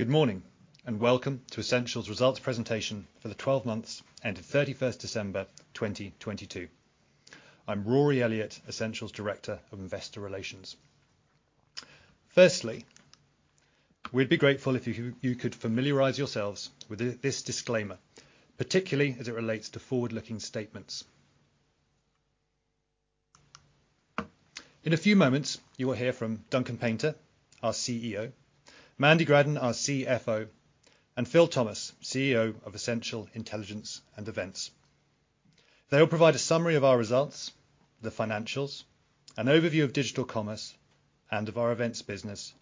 Good morning. Welcome to Ascential's results presentation for the 12 months ending 31st December, 2022. I'm Rory Elliott, Ascential's Director of Investor Relations. Firstly, we'd be grateful if you could familiarize yourselves with this disclaimer, particularly as it relates to forward-looking statements. In a few moments, you will hear from Duncan Painter, our CEO, Mandy Gradden, our CFO, and Phil Thomas, CEO of Ascential Intelligence and Events. They will provide a summary of our results, the financials, an overview of Digital Commerce and of our events business,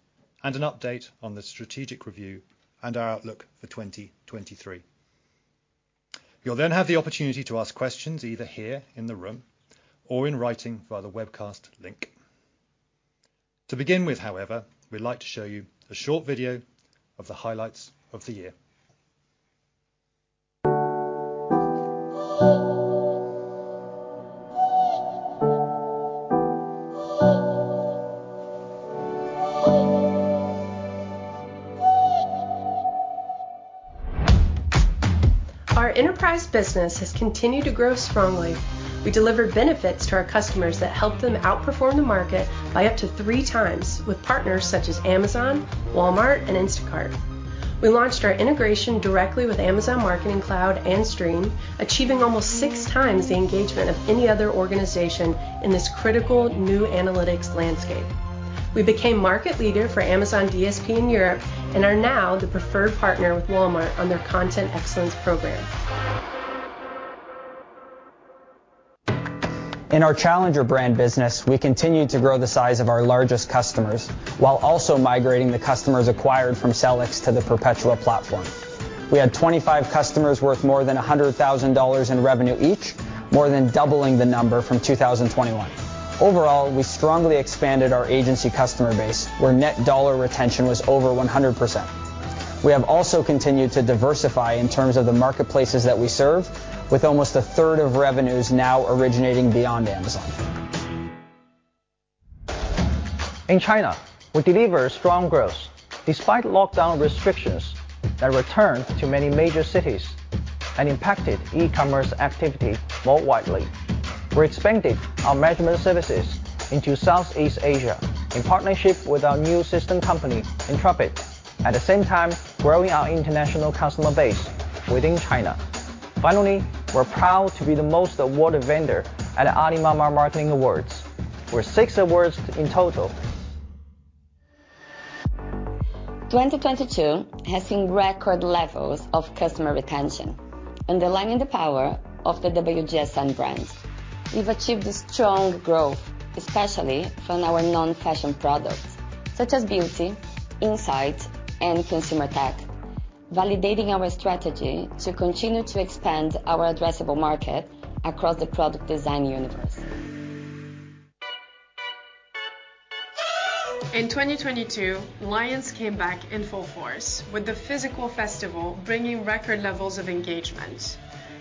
and an update on the strategic review and our outlook for 2023. You'll have the opportunity to ask questions, either here in the room or in writing via the webcast link. To begin with, however, we'd like to show you a short video of the highlights of the year. Our enterprise business has continued to grow strongly. We deliver benefits to our customers that help them outperform the market by up to three times with partners such as Amazon, Walmart, and Instacart. We launched our integration directly with Amazon Marketing Cloud and Stream, achieving almost six times the engagement of any other organization in this critical new analytics landscape. We became market leader for Amazon DSP in Europe, and are now the preferred partner with Walmart on their Content Excellence Program. In our Challenger brand business, we continue to grow the size of our largest customers while also migrating the customers acquired from Sellics to the Perpetua platform. We had 25 customers worth more than $100,000 in revenue each, more than doubling the number from 2021. Overall, we strongly expanded our agency customer base where net dollar retention was over 100%. We have also continued to diversify in terms of the marketplaces that we serve, with almost 1/3 of revenues now originating beyond Amazon. In China, we deliver strong growth despite lockdown restrictions that returned to many major cities and impacted e-commerce activity more widely. We expanded our management services into Southeast Asia in partnership with our new system company, Intrepid, at the same time growing our international customer base within China. We're proud to be the most awarded vendor at Alibaba Marketing Awards, with six awards in total. 2022 has seen record levels of customer retention, underlining the power of the WGSN brands. We've achieved strong growth, especially from our non-fashion products, such as beauty, insight, and consumer tech, validating our strategy to continue to expand our addressable market across the product design universe. In 2022, Lions came back in full force with the physical festival bringing record levels of engagement.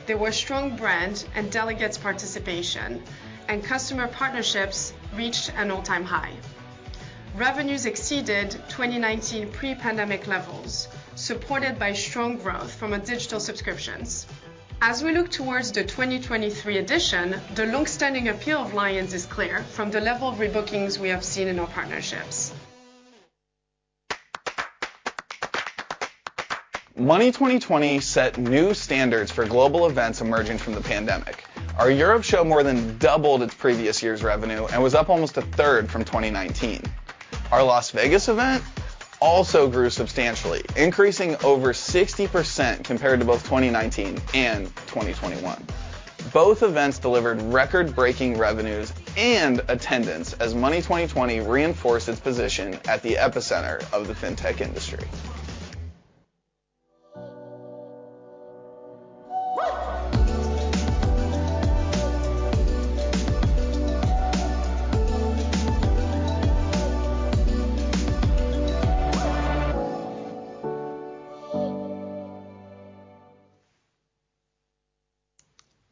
There were strong brand and delegates participation, and customer partnerships reached an all-time high. Revenues exceeded 2019 pre-pandemic levels, supported by strong growth from our digital subscriptions. As we look towards the 2023 edition, the longstanding appeal of Lions is clear from the level of rebookings we have seen in our partnerships. Money20/20 set new standards for global events emerging from the pandemic. Our Europe show more than doubled its previous year's revenue and was up almost 1/3 from 2019. Our Las Vegas event also grew substantially, increasing over 60% compared to both 2019 and 2021. Both events delivered record-breaking revenues and attendance as Money20/20 reinforced its position at the epicenter of the FinTech industry.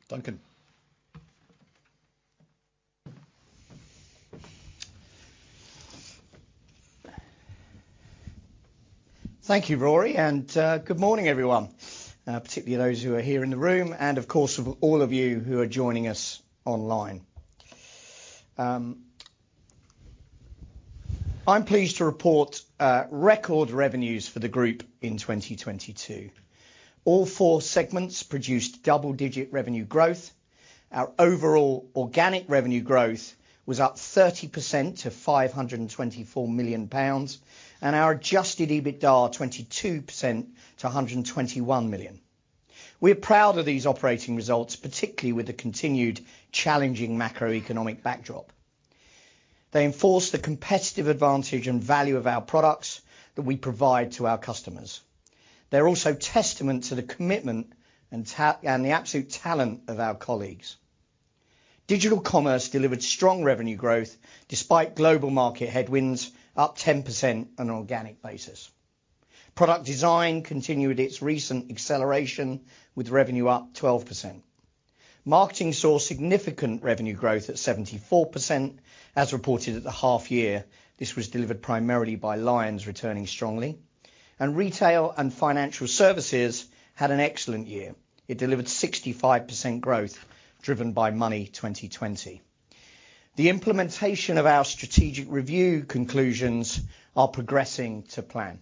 Duncan. Thank you, Rory, good morning, everyone, particularly those who are here in the room and, of course, all of you who are joining us online. I'm pleased to report record revenues for the group in 2022. All four segments produced double-digit revenue growth. Our overall organic revenue growth was up 30% to 524 million pounds, our Adjusted EBITDA 22% to 121 million. We're proud of these operating results, particularly with the continued challenging macroeconomic backdrop. They enforce the competitive advantage and value of our products that we provide to our customers. They're also testament to the commitment and the absolute talent of our colleagues. Digital Commerce delivered strong revenue growth despite global market headwinds, up 10% on an organic basis. Product Design continued its recent acceleration with revenue up 12%. Marketing saw significant revenue growth at 74% as reported at the half year. This was delivered primarily by Lions returning strongly. Retail and financial services had an excellent year. It delivered 65% growth, driven by Money20/20. The implementation of our strategic review conclusions are progressing to plan.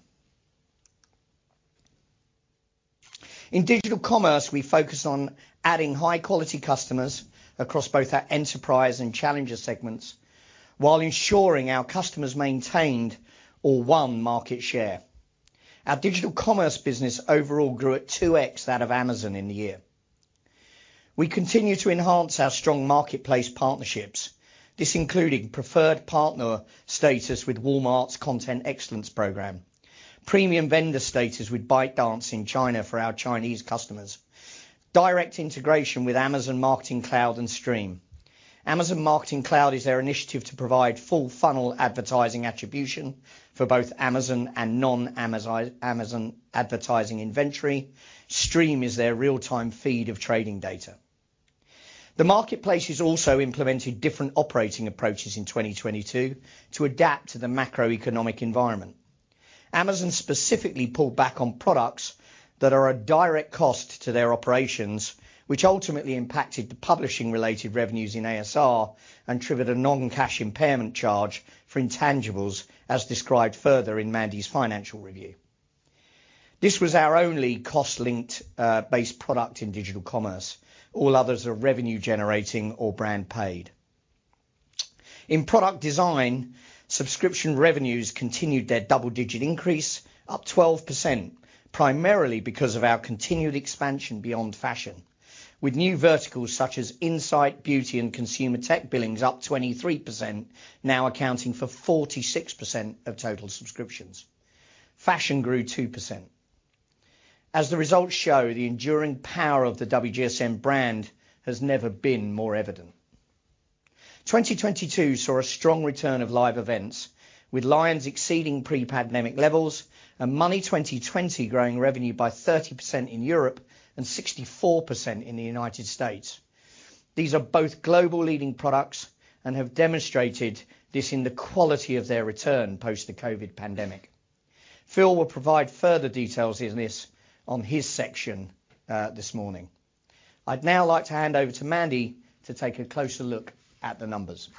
In Digital Commerce, we focus on adding high-quality customers across both our enterprise and challenger segments while ensuring our customers maintained or won market share. Our Digital Commerce business overall grew at 2x that of Amazon in the year. We continue to enhance our strong marketplace partnerships. This including preferred partner status with Walmart's Content Excellence Program, premium vendor status with ByteDance in China for our Chinese customers, direct integration with Amazon Marketing Cloud and Stream. Amazon Marketing Cloud is their initiative to provide full funnel advertising attribution for both Amazon and non-Amazon Amazon advertising inventory. Stream is their real-time feed of trading data. The marketplace has also implemented different operating approaches in 2022 to adapt to the macroeconomic environment. Amazon specifically pulled back on products that are a direct cost to their operations, which ultimately impacted the publishing-related revenues in ASR and triggered a non-cash impairment charge for intangibles, as described further in Mandy's financial review. This was our only cost-linked, based product in Digital Commerce. All others are revenue generating or brand paid. In product design, subscription revenues continued their double-digit increase, up 12%, primarily because of our continued expansion beyond fashion, with new verticals such as insight, beauty, and consumer tech billings up 23%, now accounting for 46% of total subscriptions. Fashion grew 2%. As the results show, the enduring power of the WGSN brand has never been more evident. 2022 saw a strong return of live events, with Lions exceeding pre-pandemic levels and Money20/20 growing revenue by 30% in Europe and 64% in the United States. These are both global leading products and have demonstrated this in the quality of their return post the COVID pandemic. Phil will provide further details in this on his section this morning. I'd now like to hand over to Mandy to take a closer look at the numbers.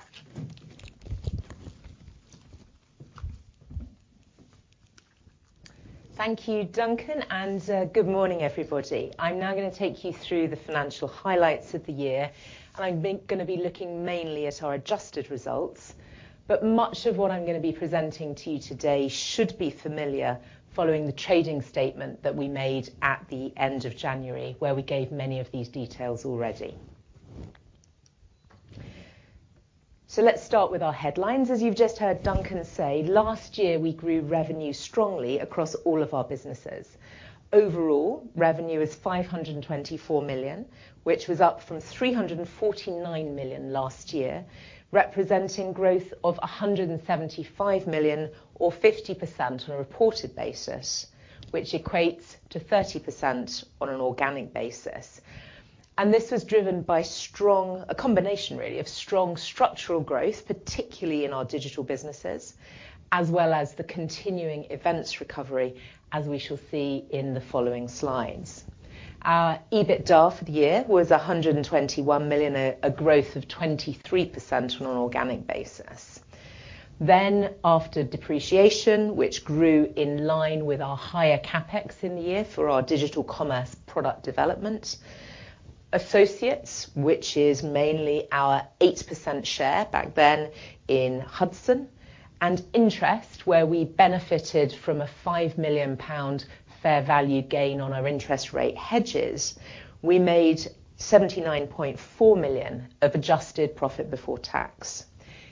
Thank you, Duncan, and good morning, everybody. I'm now gonna take you through the financial highlights of the year, and I'm gonna be looking mainly at our adjusted results. Much of what I'm gonna be presenting to you today should be familiar following the trading statement that we made at the end of January, where we gave many of these details already. Let's start with our headlines. As you've just heard Duncan say, last year we grew revenue strongly across all of our businesses. Overall, revenue is 524 million, which was up from 349 million last year, representing growth of 175 million or 50% on a reported basis, which equates to 30% on an organic basis. This was driven by a combination really of strong structural growth, particularly in our digital businesses, as well as the continuing events recovery, as we shall see in the following slides. Our EBITDA for the year was 121 million, a growth of 23% on an organic basis. After depreciation, which grew in line with our higher CapEx in the year for our digital commerce product development, associates, which is mainly our 8% share back then in Hudson, and interest, where we benefited from a 5 million pound fair value gain on our interest rate hedges, we made 79.4 million of adjusted profit before tax.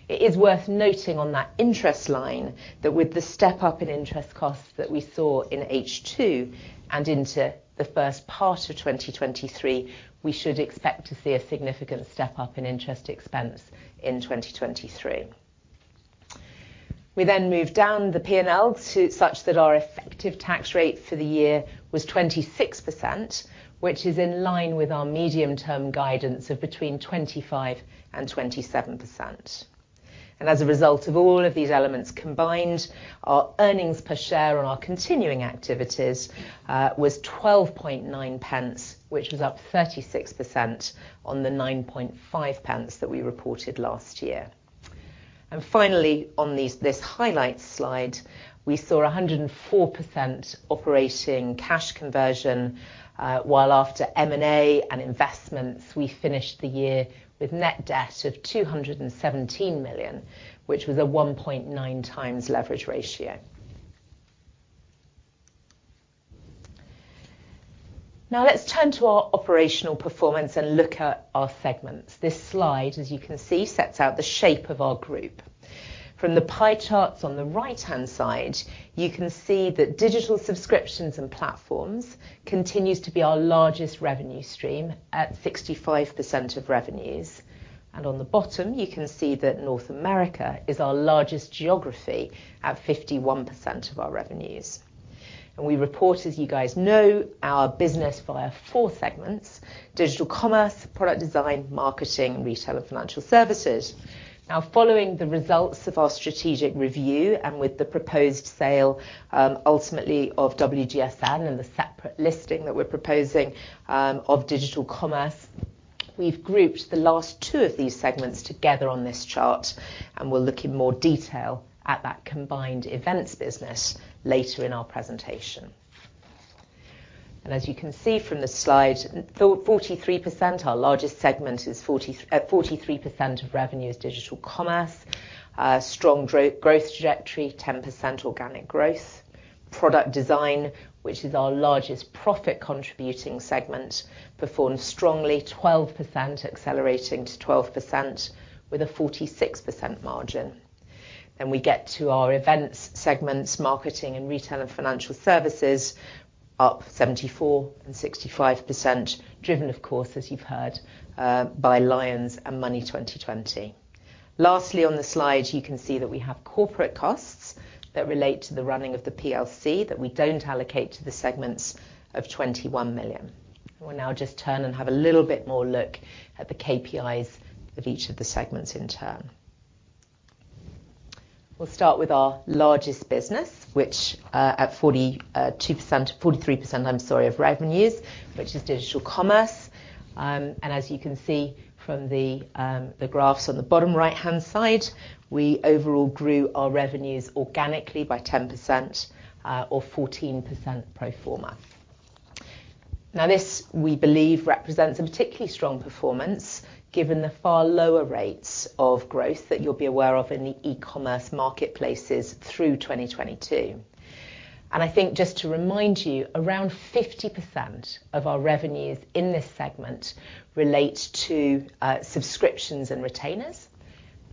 It is worth noting on that interest line that with the step-up in interest costs that we saw in H2 and into the first part of 2023, we should expect to see a significant step-up in interest expense in 2023. We move down the P&L such that our effective tax rate for the year was 26%, which is in line with our medium-term guidance of between 25% and 27%. As a result of all of these elements combined, our earnings per share on our continuing activities was 0.129, which was up 36% on the 0.095 that we reported last year. Finally, on this highlight slide, we saw 104% operating cash conversion, while after M&A and investments, we finished the year with net debt of 217 million, which was a 1.9x leverage ratio. Now let's turn to our operational performance and look at our segments. This slide, as you can see, sets out the shape of our group. From the pie charts on the right-hand side, you can see that digital subscriptions and platforms continues to be our largest revenue stream at 65% of revenues. On the bottom, you can see that North America is our largest geography at 51% of our revenues. We report, as you guys know, our business via four segments. Digital Commerce, product design, marketing, retail, and financial services. Following the results of our strategic review and with the proposed sale, ultimately of WGSN and the separate listing that we're proposing, of Digital Commerce, we've grouped the last two of these segments together on this chart, we'll look in more detail at that combined events business later in our presentation. As you can see from the slide, 43%, our largest segment, is 43% of revenue is Digital Commerce. Strong growth trajectory, 10% organic growth. Product design, which is our largest profit contributing segment, performed strongly, 12%, accelerating to 12% with a 46% margin. We get to our events segments, marketing and retail and financial services, up 74% and 65%, driven, of course, as you've heard, by Lions and Money20/20. Lastly, on the slide, you can see that we have corporate costs that relate to the running of the PLC that we don't allocate to the segments of 21 million. We'll now just turn and have a little bit more look at the KPIs of each of the segments in turn. We'll start with our largest business, which, at 43%, I'm sorry, of revenues, which is Digital Commerce. As you can see from the graphs on the bottom right-hand side, we overall grew our revenues organically by 10%, or 14% pro forma. This, we believe, represents a particularly strong performance given the far lower rates of growth that you'll be aware of in the e-commerce marketplaces through 2022. I think just to remind you, around 50% of our revenues in this segment relate to subscriptions and retainers,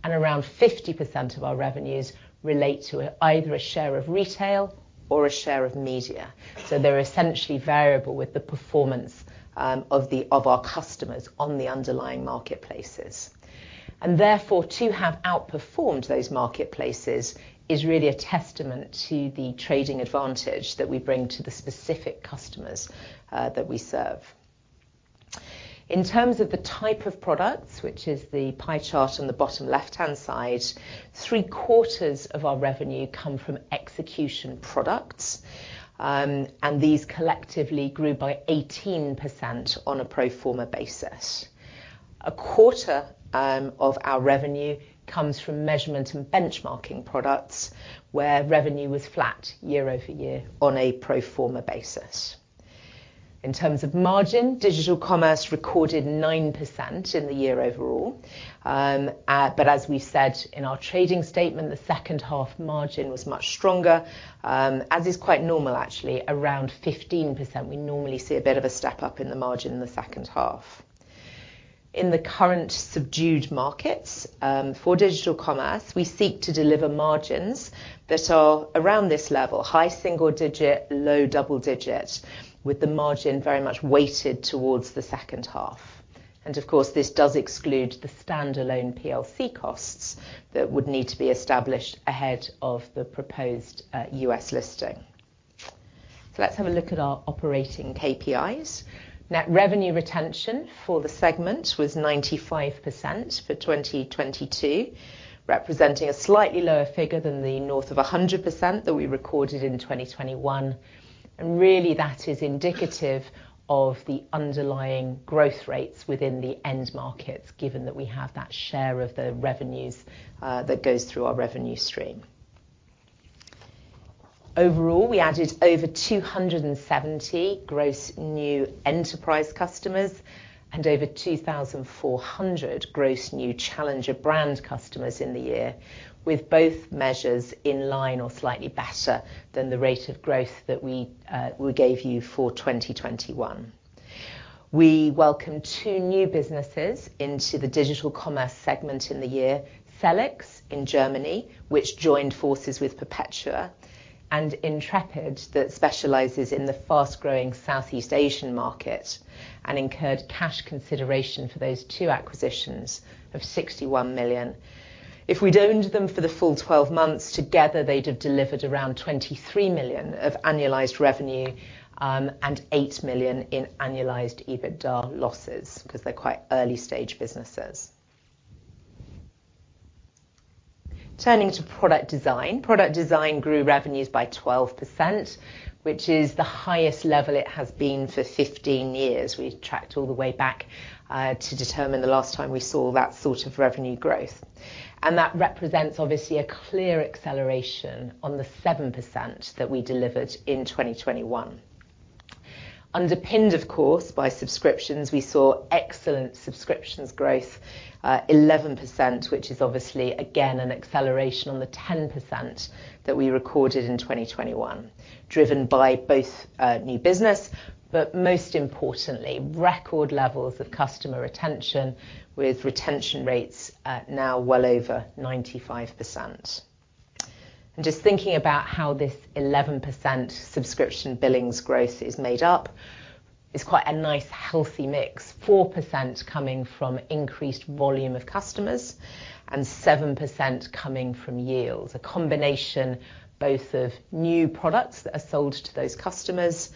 and around 50% of our revenues relate to either a share of retail or a share of media. They're essentially variable with the performance of our customers on the underlying marketplaces. Therefore, to have outperformed those marketplaces is really a testament to the trading advantage that we bring to the specific customers that we serve. In terms of the type of products, which is the pie chart on the bottom left-hand side, three-quarters of our revenue come from execution products, and these collectively grew by 18% on a pro forma basis. A quarter of our revenue comes from measurement and benchmarking products, where revenue was flat year-over-year on a pro forma basis. In terms of margin, Digital Commerce recorded 9% in the year overall. As we said in our trading statement, the second half margin was much stronger, as is quite normal actually, around 15%. We normally see a bit of a step up in the margin in the second half. In the current subdued markets, for Digital Commerce, we seek to deliver margins that are around this level, high single digit, low double digit, with the margin very much weighted towards the second half. Of course, this does exclude the standalone PLC costs that would need to be established ahead of the proposed U.S. listing. Let's have a look at our operating KPIs. Net Revenue Retention for the segment was 95% for 2022, representing a slightly lower figure than the north of 100% that we recorded in 2021. Really that is indicative of the underlying growth rates within the end markets, given that we have that share of the revenues that goes through our revenue stream. Overall, we added over 270 gross new enterprise customers and over 2,400 gross new challenger brand customers in the year, with both measures in line or slightly better than the rate of growth that we gave you for 2021. We welcomed two new businesses into the Digital Commerce segment in the year, Felix in Germany, which joined forces with Perpetua, and Intrepid, that specializes in the fast-growing Southeast Asian market, and incurred cash consideration for those two acquisitions of 61 million. If we'd owned them for the full 12 months, together they'd have delivered around 23 million of annualized revenue, and 8 million in annualized EBITDA losses cause they're quite early-stage businesses. Turning to product design. Product design grew revenues by 12%, which is the highest level it has been for 15 years. We tracked all the way back to determine the last time we saw that sort of revenue growth. That represents, obviously, a clear acceleration on the 7% that we delivered in 2021. Underpinned, of course, by subscriptions, we saw excellent subscriptions growth, 11%, which is obviously again an acceleration on the 10% that we recorded in 2021. Driven by both new business, but most importantly, record levels of customer retention, with retention rates at now well over 95%. Just thinking about how this 11% subscription billings growth is made up, it's quite a nice healthy mix. 4% coming from increased volume of customers and 7% coming from yields, a combination both of new products that are sold to those customers,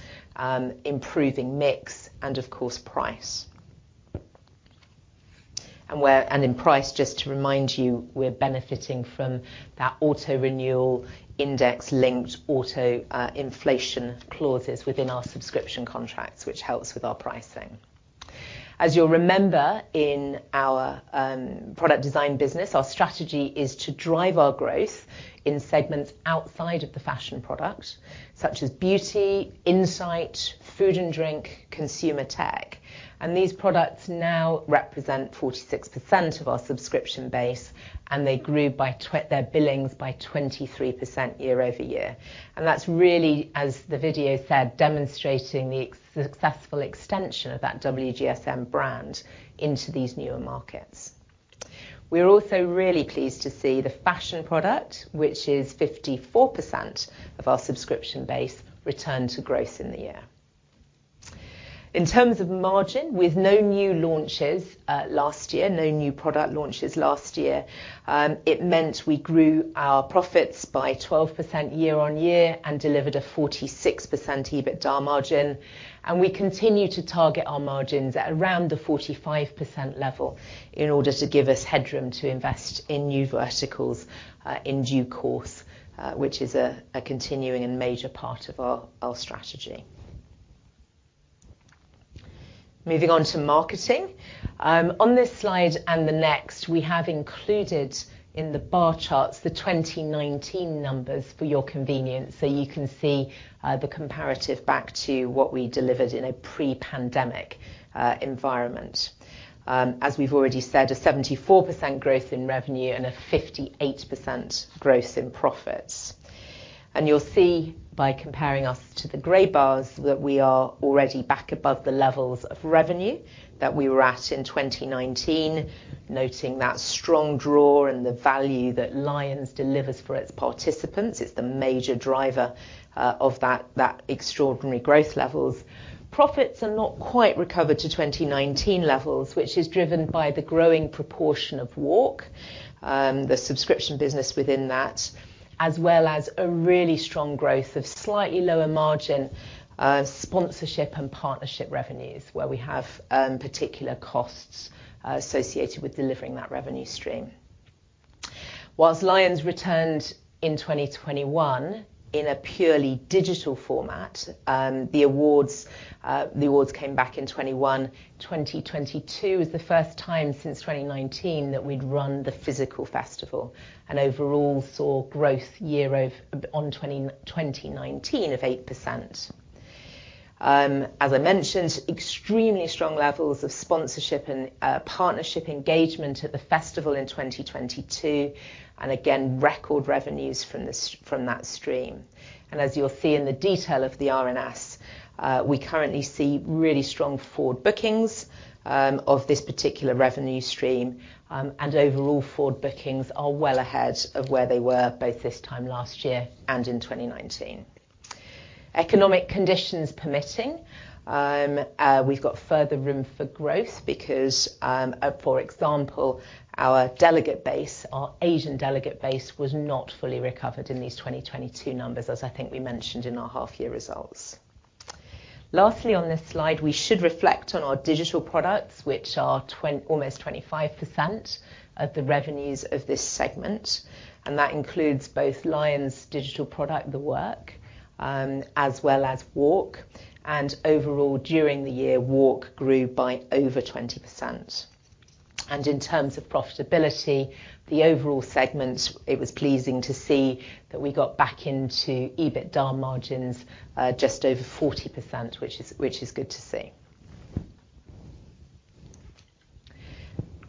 improving mix and of course price. Where, and in price, just to remind you, we're benefiting from that auto-renewal index linked auto inflation clauses within our subscription contracts, which helps with our pricing. As you'll remember, in our product design business, our strategy is to drive our growth in segments outside of the fashion product, such as beauty, insight, food and drink, consumer tech. These products now represent 46% of our subscription base, and they grew by their billings by 23% year-over-year. That's really, as the video said, demonstrating the successful extension of that WGSN brand into these newer markets. We're also really pleased to see the fashion product, which is 54% of our subscription base, return to growth in the year. In terms of margin, with no new launches last year, no new product launches last year, it meant we grew our profits by 12% year-over-year and delivered a 46% EBITDA margin. We continue to target our margins at around the 45% level in order to give us headroom to invest in new verticals in due course, which is a continuing and major part of our strategy. Moving on to marketing. On this slide and the next, we have included in the bar charts the 2019 numbers for your convenience, so you can see the comparative back to what we delivered in a pre-pandemic environment. As we've already said, a 74% growth in revenue and a 58% growth in profits. You'll see by comparing us to the gray bars that we are already back above the levels of revenue that we were at in 2019, noting that strong draw and the value that Lions delivers for its participants. It's the major driver of that extraordinary growth levels. Profits are not quite recovered to 2019 levels, which is driven by the growing proportion of WARC, the subscription business within that, as well as a really strong growth of slightly lower margin, sponsorship and partnership revenues where we have particular costs associated with delivering that revenue stream. Whilst Cannes Lions returned in 2021 in a purely digital format, the awards came back in 2021. 2022 is the first time since 2019 that we'd run the physical festival and overall saw growth year-over-year on 2019 of 8%. As I mentioned, extremely strong levels of sponsorship and partnership engagement at the festival in 2022, and again, record revenues from that stream. As you'll see in the detail of the RNS, we currently see really strong forward bookings of this particular revenue stream, and overall forward bookings are well ahead of where they were both this time last year and in 2019. Economic conditions permitting, we've got further room for growth because, for example, our delegate base, our Asian delegate base was not fully recovered in these 2022 numbers, as I think we mentioned in our half year results. Lastly, on this slide, we should reflect on our digital products, which are almost 25% of the revenues of this segment, and that includes both Lions digital product, WARC, as well as WARC. Overall, during the year, WARC grew by over 20%. In terms of profitability, the overall segment, it was pleasing to see that we got back into EBITDA margins, just over 40%, which is good to see.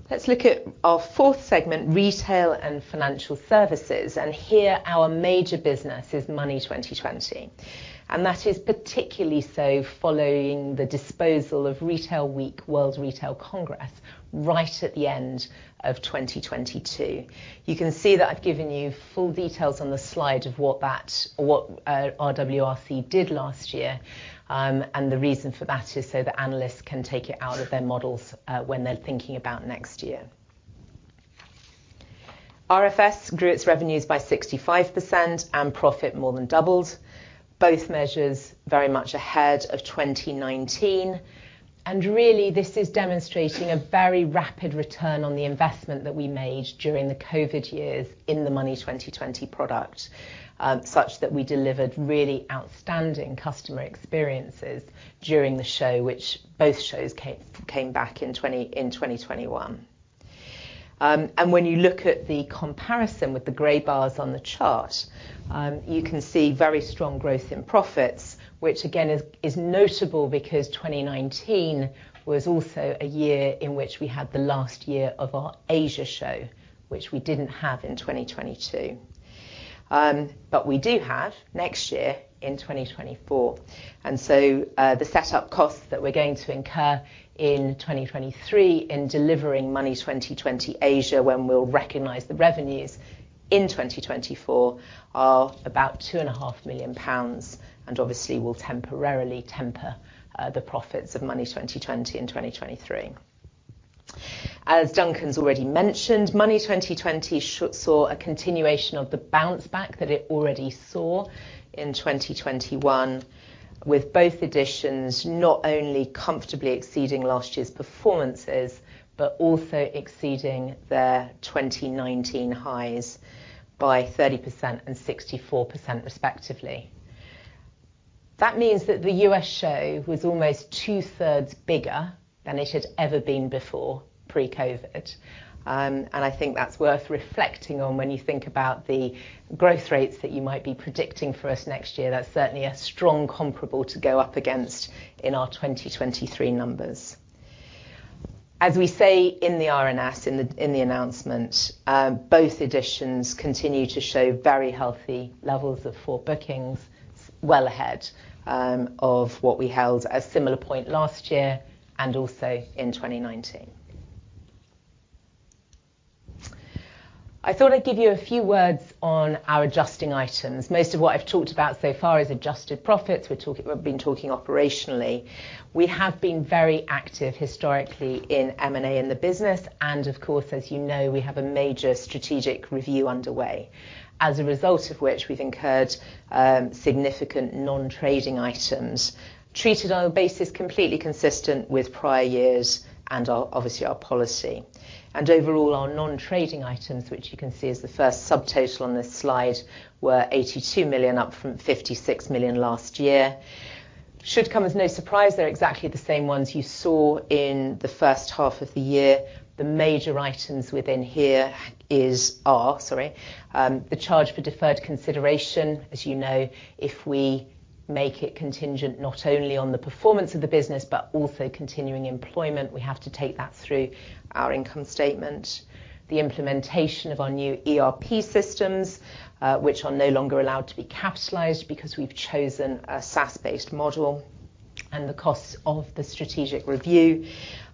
Let's look at our fourth segment, Retail and Financial Services. Here, our major business is Money20/20, and that is particularly so following the disposal of Retail Week, World Retail Congress, right at the end of 2022. You can see that I've given you full details on the slide of what RWRC did last year, and the reason for that is so the analysts can take it out of their models when they're thinking about next year. RFS grew its revenues by 65% and profit more than doubled, both measures very much ahead of 2019. Really, this is demonstrating a very rapid return on the investment that we made during the COVID years in the Money20/20 product, such that we delivered really outstanding customer experiences during the show, which both shows came back in 2021. When you look at the comparison with the gray bars on the chart, you can see very strong growth in profits, which again is notable because 2019 was also a year in which we had the last year of our Asia show, which we didn't have in 2022, but we do have next year in 2024. The setup costs that we're going to incur in 2023 in delivering Money20/20 Asia, when we'll recognize the revenues in 2024, are about 2.5 million pounds and obviously will temporarily temper the profits of Money20/20 in 2023. As Duncan's already mentioned, Money20/20 saw a continuation of the bounce back that it already saw in 2021, with both additions not only comfortably exceeding last year's performances, but also exceeding their 2019 highs by 30% and 64% respectively. That means that the U.S. show was almost two-thirds bigger than it had ever been before pre-COVID. I think that's worth reflecting on when you think about the growth rates that you might be predicting for us next year. That's certainly a strong comparable to go up against in our 2023 numbers. As we say in the RNS, in the announcement, both editions continue to show very healthy levels of forward bookings well ahead of what we held at similar point last year and also in 2019. I thought I'd give you a few words on our adjusting items. Most of what I've talked about so far is adjusted profits. We've been talking operationally. We have been very active historically in M&A in the business, and of course, as you know, we have a major strategic review underway, as a result of which we've incurred significant non-trading items treated on a basis completely consistent with prior years and obviously our policy. Overall, our non-trading items, which you can see is the first subtotal on this slide, were 82 million, up from 56 million last year. Should come as no surprise, they're exactly the same ones you saw in the first half of the year. The major items within here is sorry. The charge for deferred consideration. As you know, if we make it contingent not only on the performance of the business but also continuing employment, we have to take that through our income statement. The implementation of our new ERP systems, which are no longer allowed to be capitalized because we've chosen a SaaS-based model. The costs of the strategic review,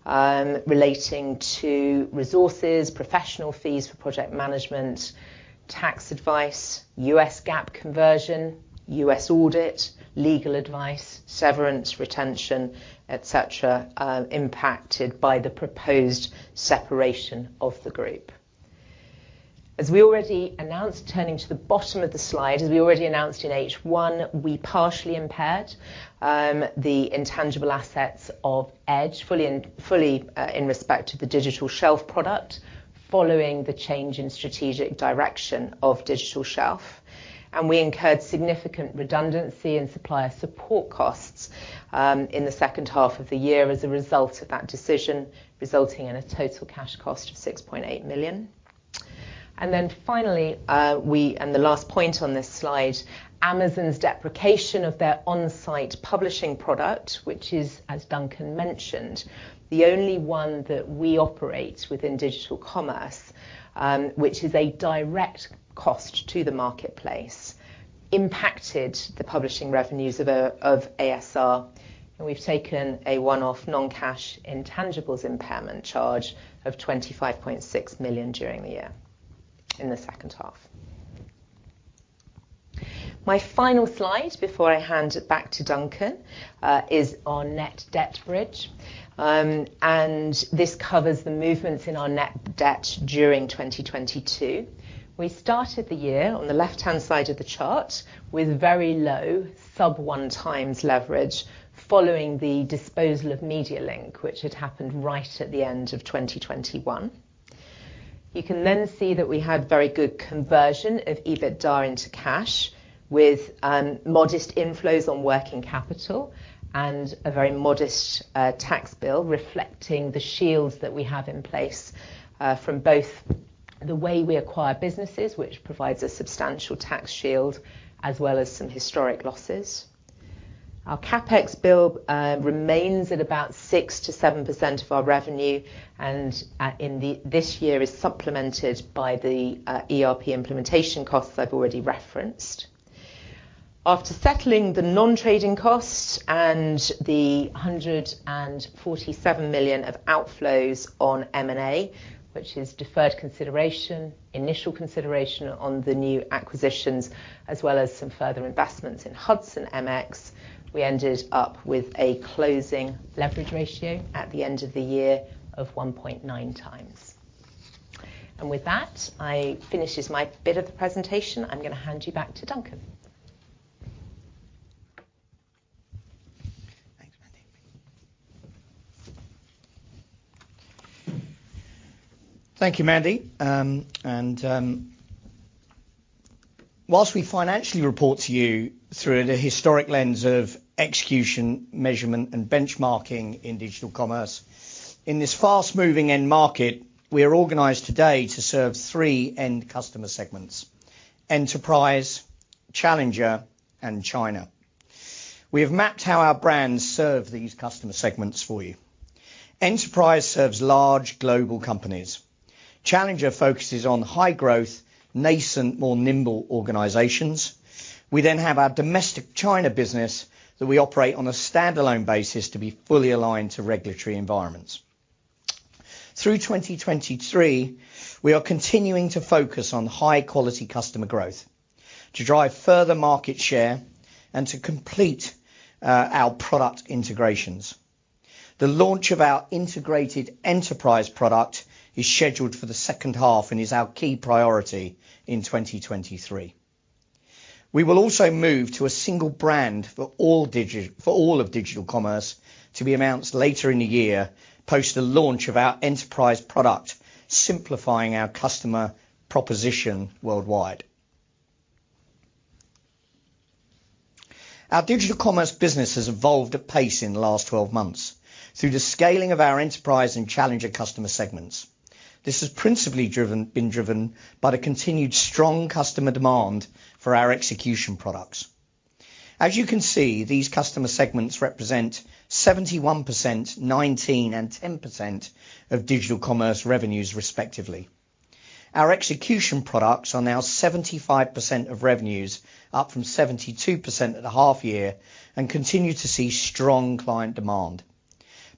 relating to resources, professional fees for project management, tax advice, U.S. GAAP conversion, U.S. audit, legal advice, severance, retention, et cetera, impacted by the proposed separation of the group. As we already announced, turning to the bottom of the slide, as we already announced in H1, we partially impaired the intangible assets of Edge fully in respect to the Digital Shelf product following the change in strategic direction of Digital Shelf. We incurred significant redundancy in supplier support costs in the 2nd half of the year as a result of that decision, resulting in a total cash cost of 6.8 million. The last point on this slide, Amazon's deprecation of their on-site publishing product, which is, as Duncan mentioned, the only one that we operate within Digital Commerce, which is a direct cost to the marketplace, impacted the publishing revenues of ASR. We've taken a one-off non-cash intangibles impairment charge of 25.6 million during the year in the second half. My final slide before I hand it back to Duncan is our net debt bridge. This covers the movements in our net debt during 2022. We started the year on the left-hand side of the chart with very low sub one times leverage following the disposal of MediaLink, which had happened right at the end of 2021. You can then see that we had very good conversion of EBITDA into cash with modest inflows on working capital and a very modest tax bill reflecting the shields that we have in place from both the way we acquire businesses, which provides a substantial tax shield, as well as some historic losses. Our CapEx bill remains at about 6%-7% of our revenue and this year is supplemented by the ERP implementation costs I've already referenced. After settling the non-trading costs and the 147 million of outflows on M&A, which is deferred consideration, initial consideration on the new acquisitions, as well as some further investments in Hudson MX, we ended up with a closing leverage ratio at the end of the year of 1.9x. With that, I finishes my bit of the presentation. I'm gonna hand you back to Duncan. Thanks, Mandy. Thank you, Mandy. While we financially report to you through the historic lens of execution, measurement, and benchmarking in Digital Commerce, in this fast-moving end-market, we are organized today to serve three end customer segments: Enterprise, Challenger, and China. We have mapped how our brands serve these customer segments for you. Enterprise serves large global companies. Challenger focuses on high-growth, nascent, more nimble organizations. Our domestic China business that we operate on a stand-alone basis to be fully aligned to regulatory environments. Through 2023, we are continuing to focus on high-quality customer growth to drive further market share and to complete our product integrations. The launch of our integrated Enterprise product is scheduled for the second half and is our key priority in 2023. We will also move to a single brand for all of Digital Commerce to be announced later in the year post the launch of our enterprise product, simplifying our customer proposition worldwide. Our Digital Commerce business has evolved at pace in the last 12 months through the scaling of our enterprise and challenger customer segments. This has principally been driven by the continued strong customer demand for our execution products. As you can see, these customer segments represent 71%, 19%, and 10% of Digital Commerce revenues respectively. Our execution products are now 75% of revenues, up from 72% at the half year, and continue to see strong client demand.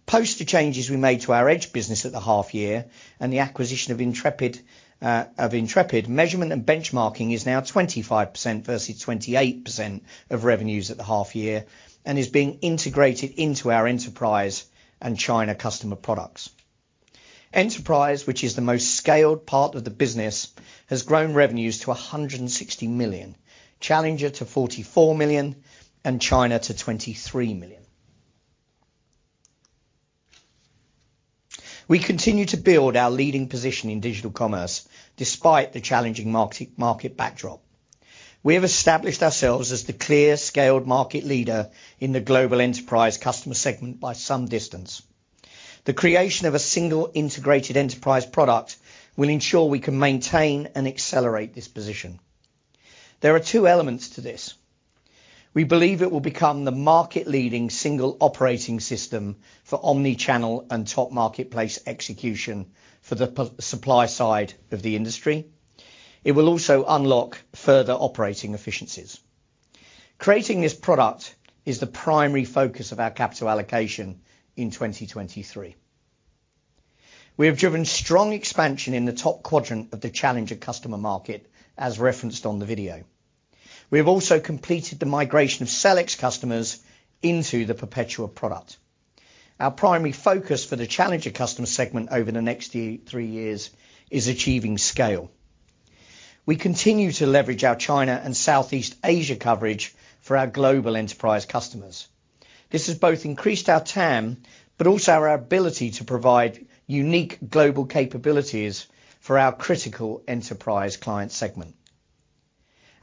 Post the changes we made to our Edge business at the half year and the acquisition of Intrepid, measurement and benchmarking is now 25% versus 28% of revenues at the half year and is being integrated into our Enterprise and China customer products. Enterprise, which is the most scaled part of the business, has grown revenues to 160 million, challenger to 44 million, and China to 23 million. We continue to build our leading position in Digital Commerce despite the challenging market backdrop. We have established ourselves as the clear scaled market leader in the global Enterprise customer segment by some distance. The creation of a single integrated Enterprise product will ensure we can maintain and accelerate this position. There are two elements to this. We believe it will become the market-leading single operating system for omni-channel and top marketplace execution for the supply side of the industry. It will also unlock further operating efficiencies. Creating this product is the primary focus of our capital allocation in 2023. We have driven strong expansion in the top quadrant of the challenger customer market, as referenced on the video. We have also completed the migration of Sellics customers into the Perpetua product. Our primary focus for the challenger customer segment over the next three years is achieving scale. We continue to leverage our China and Southeast Asia coverage for our global enterprise customers. This has both increased our TAM, but also our ability to provide unique global capabilities for our critical enterprise client segment.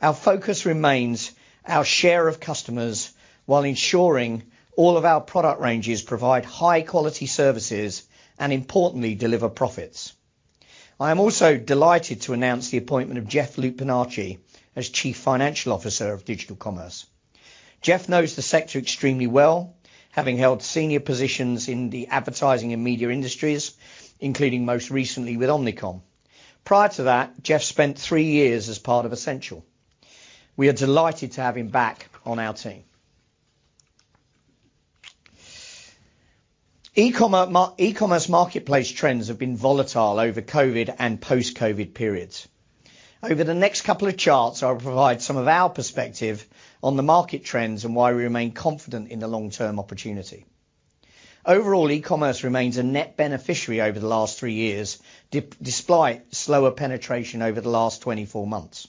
Our focus remains our share of customers while ensuring all of our product ranges provide high quality services and importantly, deliver profits. I am also delighted to announce the appointment of Jeff Lupinacci as Chief Financial Officer of Digital Commerce. Jeff knows the sector extremely well, having held senior positions in the advertising and media industries, including most recently with Omnicom. Prior to that, Jeff spent three years as part of Ascential. We are delighted to have him back on our team. E-commerce marketplace trends have been volatile over Covid and post-Covid periods. Over the next couple of charts, I'll provide some of our perspective on the market trends and why we remain confident in the long-term opportunity. Overall, e-commerce remains a net beneficiary over the last three years despite slower penetration over the last 24 months.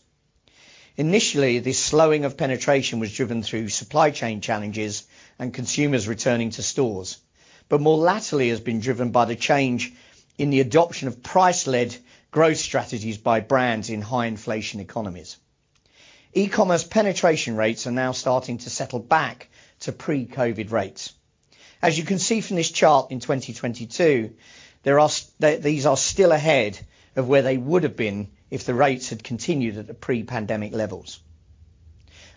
Initially, this slowing of penetration was driven through supply chain challenges and consumers returning to stores, but more latterly has been driven by the change in the adoption of price-led growth strategies by brands in high inflation economies. E-commerce penetration rates are now starting to settle back to pre-COVID rates. As you can see from this chart in 2022, these are still ahead of where they would have been if the rates had continued at the pre-pandemic levels.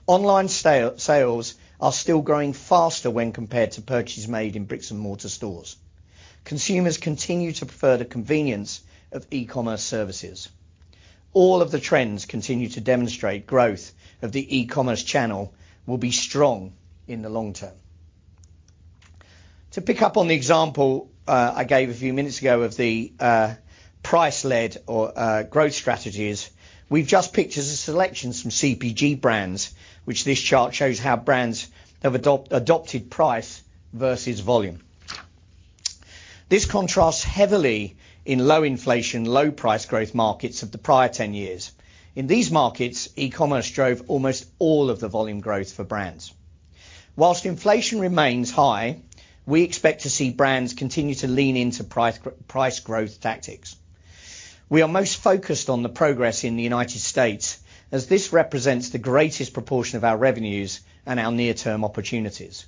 Online sales are still growing faster when compared to purchases made in bricks and mortar stores. Consumers continue to prefer the convenience of E-commerce services. All of the trends continue to demonstrate growth of the E-commerce channel will be strong in the long term. To pick up on the example I gave a few minutes ago of the price-led or growth strategies, we've just picked as a selection some CPG brands, which this chart shows how brands have adopted price versus volume. This contrasts heavily in low inflation, low price growth markets of the prior 10 years. In these markets, e-commerce drove almost all of the volume growth for brands. Whilst inflation remains high, we expect to see brands continue to lean into price growth tactics. We are most focused on the progress in the United States as this represents the greatest proportion of our revenues and our near-term opportunities.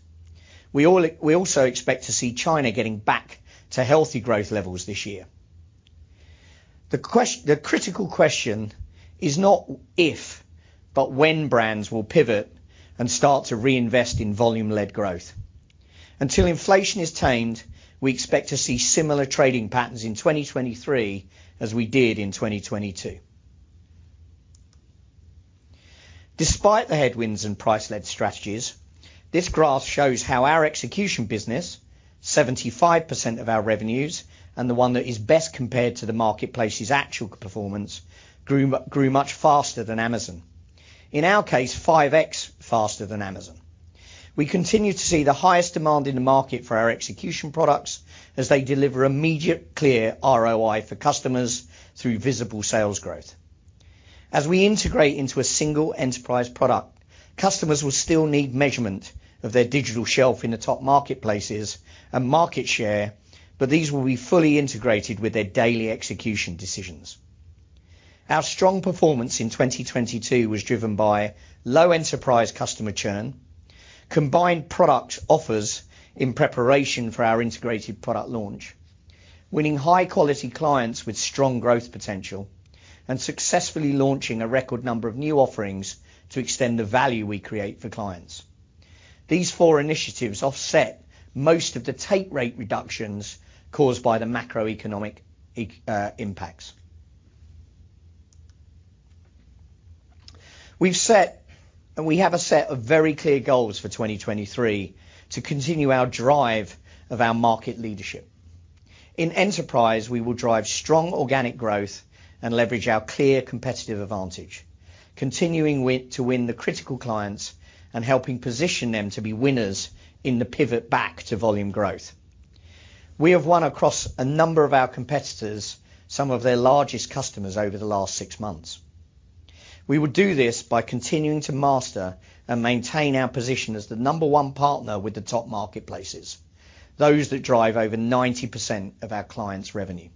We also expect to see China getting back to healthy growth levels this year. The critical question is not if, but when brands will pivot and start to reinvest in volume-led growth. Until inflation is tamed, we expect to see similar trading patterns in 2023 as we did in 2022. Despite the headwinds and price-led strategies, this graph shows how our execution business 75% of our revenues, and the one that is best compared to the marketplace's actual performance, grew much faster than Amazon. In our case, 5x faster than Amazon. We continue to see the highest demand in the market for our execution products as they deliver immediate, clear ROI for customers through visible sales growth. As we integrate into a single enterprise product, customers will still need measurement of their Digital Shelf in the top marketplaces and market share, but these will be fully integrated with their daily execution decisions. Our strong performance in 2022 was driven by low enterprise customer churn, combined product offers in preparation for our integrated product launch, winning high quality clients with strong growth potential, and successfully launching a record number of new offerings to extend the value we create for clients. These four initiatives offset most of the take rate reductions caused by the macroeconomic impacts. We've set, and we have a set of very clear goals for 2023 to continue our drive of our market leadership. In enterprise, we will drive strong organic growth and leverage our clear competitive advantage, continuing to win the critical clients and helping position them to be winners in the pivot back to volume growth. We have won across a number of our competitors, some of their largest customers over the last six months. We will do this by continuing to master and maintain our position as the number one partner with the top marketplaces, those that drive over 90% of our clients' revenue.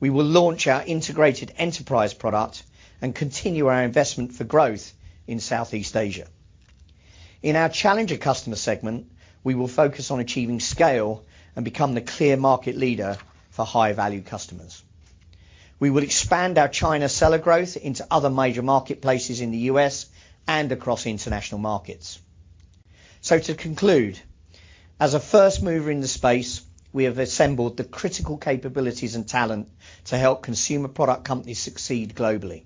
We will launch our integrated enterprise product and continue our investment for growth in Southeast Asia. In our challenger customer segment, we will focus on achieving scale and become the clear market leader for high-value customers. We will expand our China seller growth into other major marketplaces in the U.S. and across international markets. To conclude, as a first mover in the space, we have assembled the critical capabilities and talent to help consumer product companies succeed globally.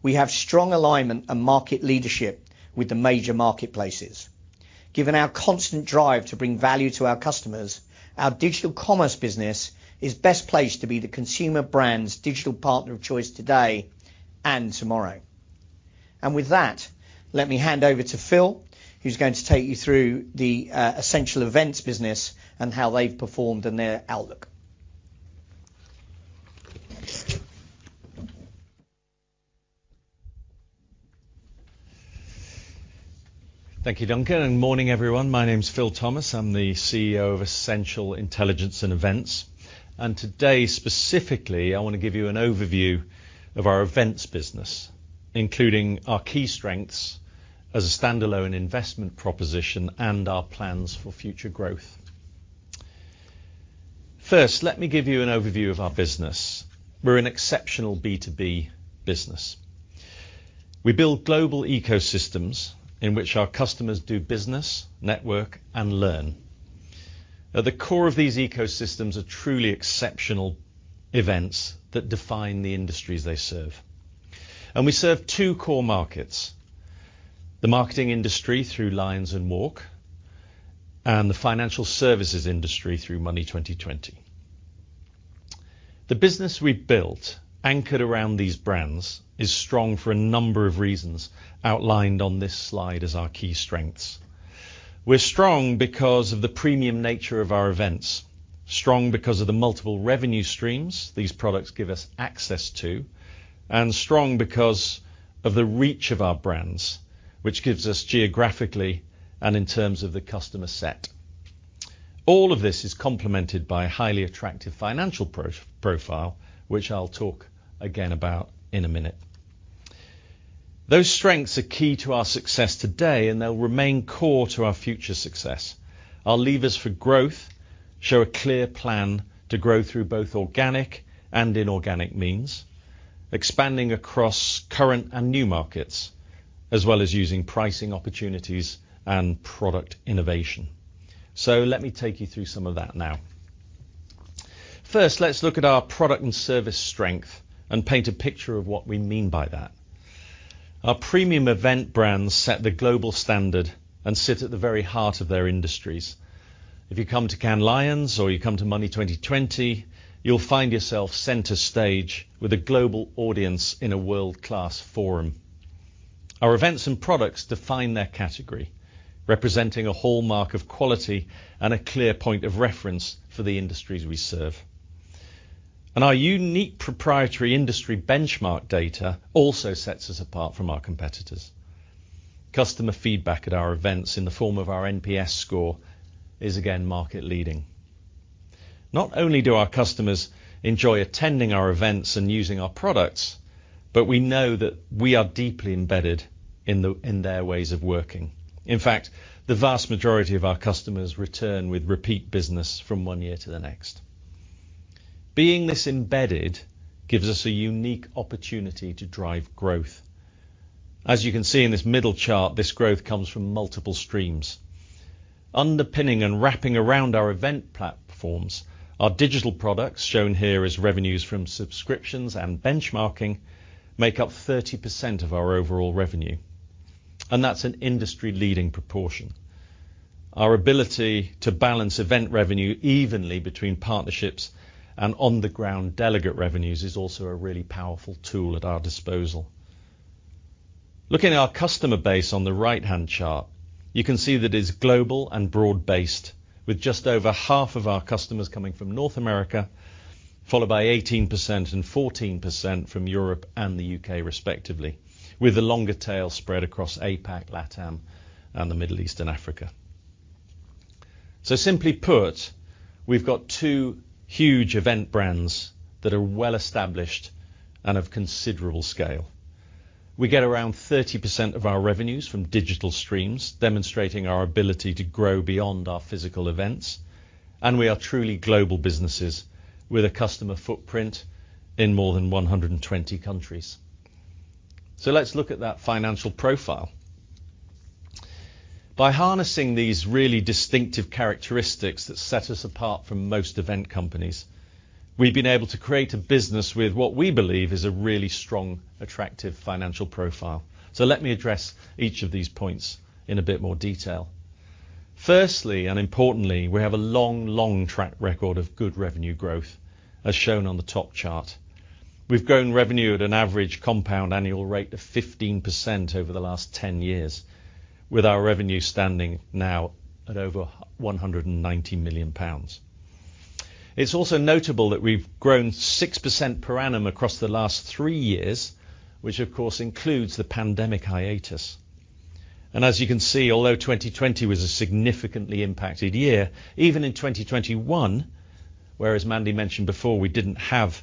We have strong alignment and market leadership with the major marketplaces. Given our constant drive to bring value to our customers, our Digital Commerce business is best placed to be the consumer brand's digital partner of choice today and tomorrow. With that, let me hand over to Phil, who's going to take you through the Ascential Events business and how they've performed and their outlook. Thank you, Duncan. Morning, everyone. My name's Phil Thomas. I'm the CEO of Ascential Intelligence and Events. Today, specifically, I want to give you an overview of our events business, including our key strengths as a standalone investment proposition and our plans for future growth. First, let me give you an overview of our business. We're an exceptional B2B business. We build global ecosystems in which our customers do business, network and learn. At the core of these ecosystems are truly exceptional events that define the industries they serve. We serve two core markets, the marketing industry through Lions & WARC, and the financial services industry through Money20/20. The business we've built anchored around these brands is strong for a number of reasons outlined on this slide as our key strengths. We're strong because of the premium nature of our events, strong because of the multiple revenue streams these products give us access to, and strong because of the reach of our brands, which gives us geographically and in terms of the customer set. All of this is complemented by a highly attractive financial profile, which I'll talk again about in a minute. Those strengths are key to our success today, and they'll remain core to our future success. Our levers for growth show a clear plan to grow through both organic and inorganic means, expanding across current and new markets, as well as using pricing opportunities and product innovation. Let me take you through some of that now. First, let's look at our product and service strength and paint a picture of what we mean by that. Our premium event brands set the global standard and sit at the very heart of their industries. If you come to Cannes Lions or you come to Money20/20, you'll find yourself center stage with a global audience in a world-class forum. Our events and products define their category, representing a hallmark of quality and a clear point of reference for the industries we serve. Our unique proprietary industry benchmark data also sets us apart from our competitors. Customer feedback at our events in the form of our NPS score is again market leading. Not only do our customers enjoy attending our events and using our products, but we know that we are deeply embedded in their ways of working. In fact, the vast majority of our customers return with repeat business from one year to the next. Being this embedded gives us a unique opportunity to drive growth. As you can see in this middle chart, this growth comes from multiple streams. Underpinning and wrapping around our event platforms are digital products, shown here as revenues from subscriptions and benchmarking make up 30% of our overall revenue. That's an industry-leading proportion. Our ability to balance event revenue evenly between partnerships and on-the-ground delegate revenues is also a really powerful tool at our disposal. Looking at our customer base on the right-hand chart, you can see that it is global and broad-based with just over half of our customers coming from North America, followed by 18% and 14% from Europe and the U.K. respectively, with the longer tail spread across APAC, LATAM, and the Middle East and Africa. Simply put, we've got two huge event brands that are well established and of considerable scale. We get around 30% of our revenues from digital streams, demonstrating our ability to grow beyond our physical events. We are truly global businesses with a customer footprint in more than 120 countries. Let's look at that financial profile. By harnessing these really distinctive characteristics that set us apart from most event companies, we've been able to create a business with what we believe is a really strong, attractive financial profile. Let me address each of these points in a bit more detail. Firstly, and importantly, we have a long track record of good revenue growth, as shown on the top chart. We've grown revenue at an average compound annual rate of 15% over the last 10 years, with our revenue standing now at over 190 million pounds. It's also notable that we've grown 6% per annum across the last three years, which of course includes the pandemic hiatus. As you can see, although 2020 was a significantly impacted year, even in 2021, where as Mandy mentioned before, we didn't have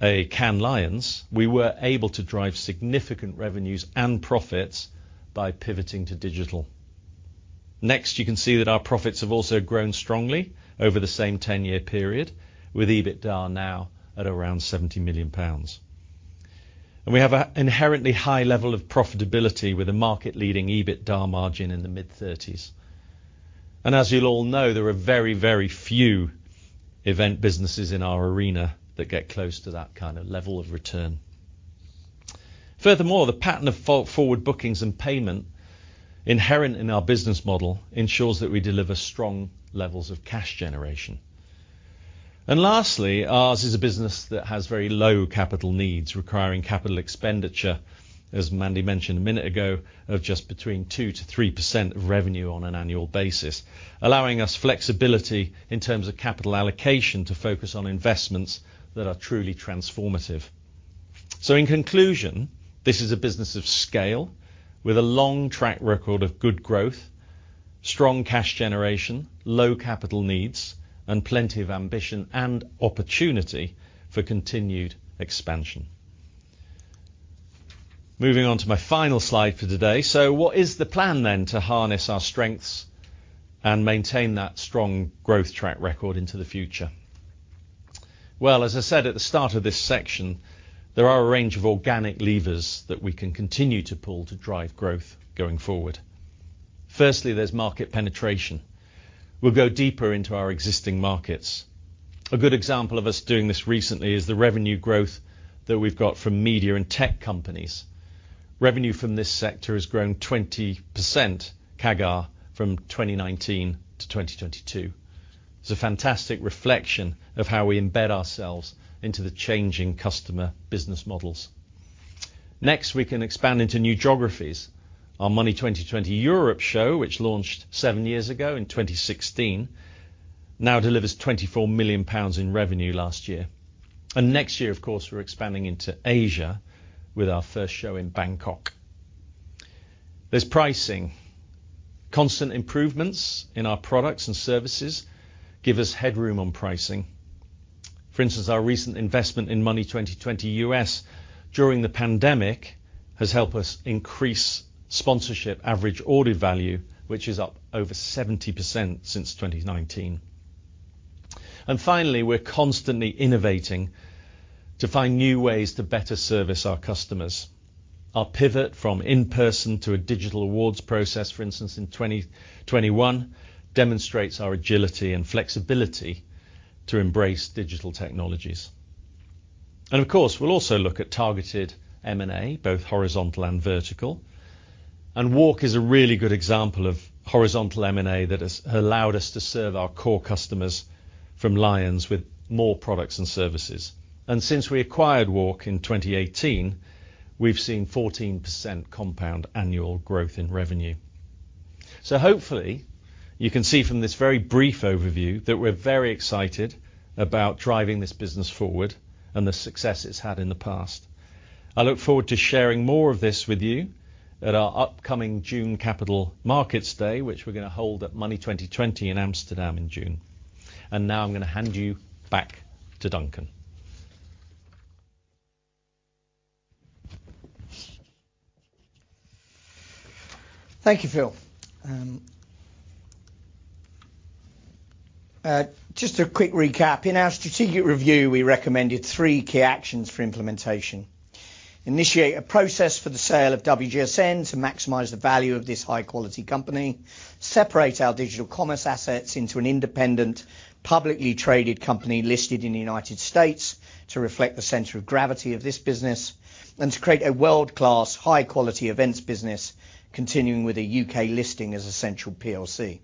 a Cannes Lions, we were able to drive significant revenues and profits by pivoting to digital. You can see that our profits have also grown strongly over the same 10-year period, with EBITDA now at around 70 million pounds. We have an inherently high level of profitability with a market-leading EBITDA margin in the mid-30s. As you'll all know, there are very, very few event businesses in our arena that get close to that kind of level of return. The pattern of forward bookings and payment inherent in our business model ensures that we deliver strong levels of cash generation. Lastly, ours is a business that has very low capital needs, requiring capital expenditure, as Mandy mentioned a minute ago, of just between 2%-3% of revenue on an annual basis, allowing us flexibility in terms of capital allocation to focus on investments that are truly transformative. In conclusion, this is a business of scale with a long track record of good growth, strong cash generation, low capital needs, and plenty of ambition and opportunity for continued expansion. Moving on to my final slide for today. What is the plan to harness our strengths and maintain that strong growth track record into the future? Well, as I said at the start of this section, there are a range of organic levers that we can continue to pull to drive growth going forward. Firstly, there's market penetration. We'll go deeper into our existing markets. A good example of us doing this recently is the revenue growth that we've got from media and tech companies. Revenue from this sector has grown 20% CAGR from 2019 to 2022. It's a fantastic reflection of how we embed ourselves into the changing customer business models. Next, we can expand into new geographies. Our Money20/20 Europe show, which launched seven years ago in 2016, now delivers 24 million pounds in revenue last year. Next year, of course, we're expanding into Asia with our first show in Bangkok. There's pricing. Constant improvements in our products and services give us headroom on pricing. For instance, our recent investment in Money20/20 U.S. during the pandemic has helped us increase sponsorship average order value, which is up over 70% since 2019. Finally, we're constantly innovating to find new ways to better service our customers. Our pivot from in-person to a digital awards process, for instance, in 2021, demonstrates our agility and flexibility to embrace digital technologies. Of course, we'll also look at targeted M&A, both horizontal and vertical. WARC is a really good example of horizontal M&A that has allowed us to serve our core customers from Lions with more products and services. Since we acquired WARC in 2018, we've seen 14% compound annual growth in revenue. Hopefully, you can see from this very brief overview that we're very excited about driving this business forward and the success it's had in the past. I look forward to sharing more of this with you at our upcoming June Capital Markets Day, which we're gonna hold at Money20/20 in Amsterdam in June. Now I'm gonna hand you back to Duncan. Thank you, Phil. Just a quick recap. In our strategic review, we recommended three key actions for implementation: initiate a process for the sale of WGSN to maximize the value of this high-quality company, separate our Digital Commerce assets into an independent, publicly traded company listed in the United States. To reflect the center of gravity of this business and to create a world-class, high quality events business continuing with a U.K. listing as Ascential PLC.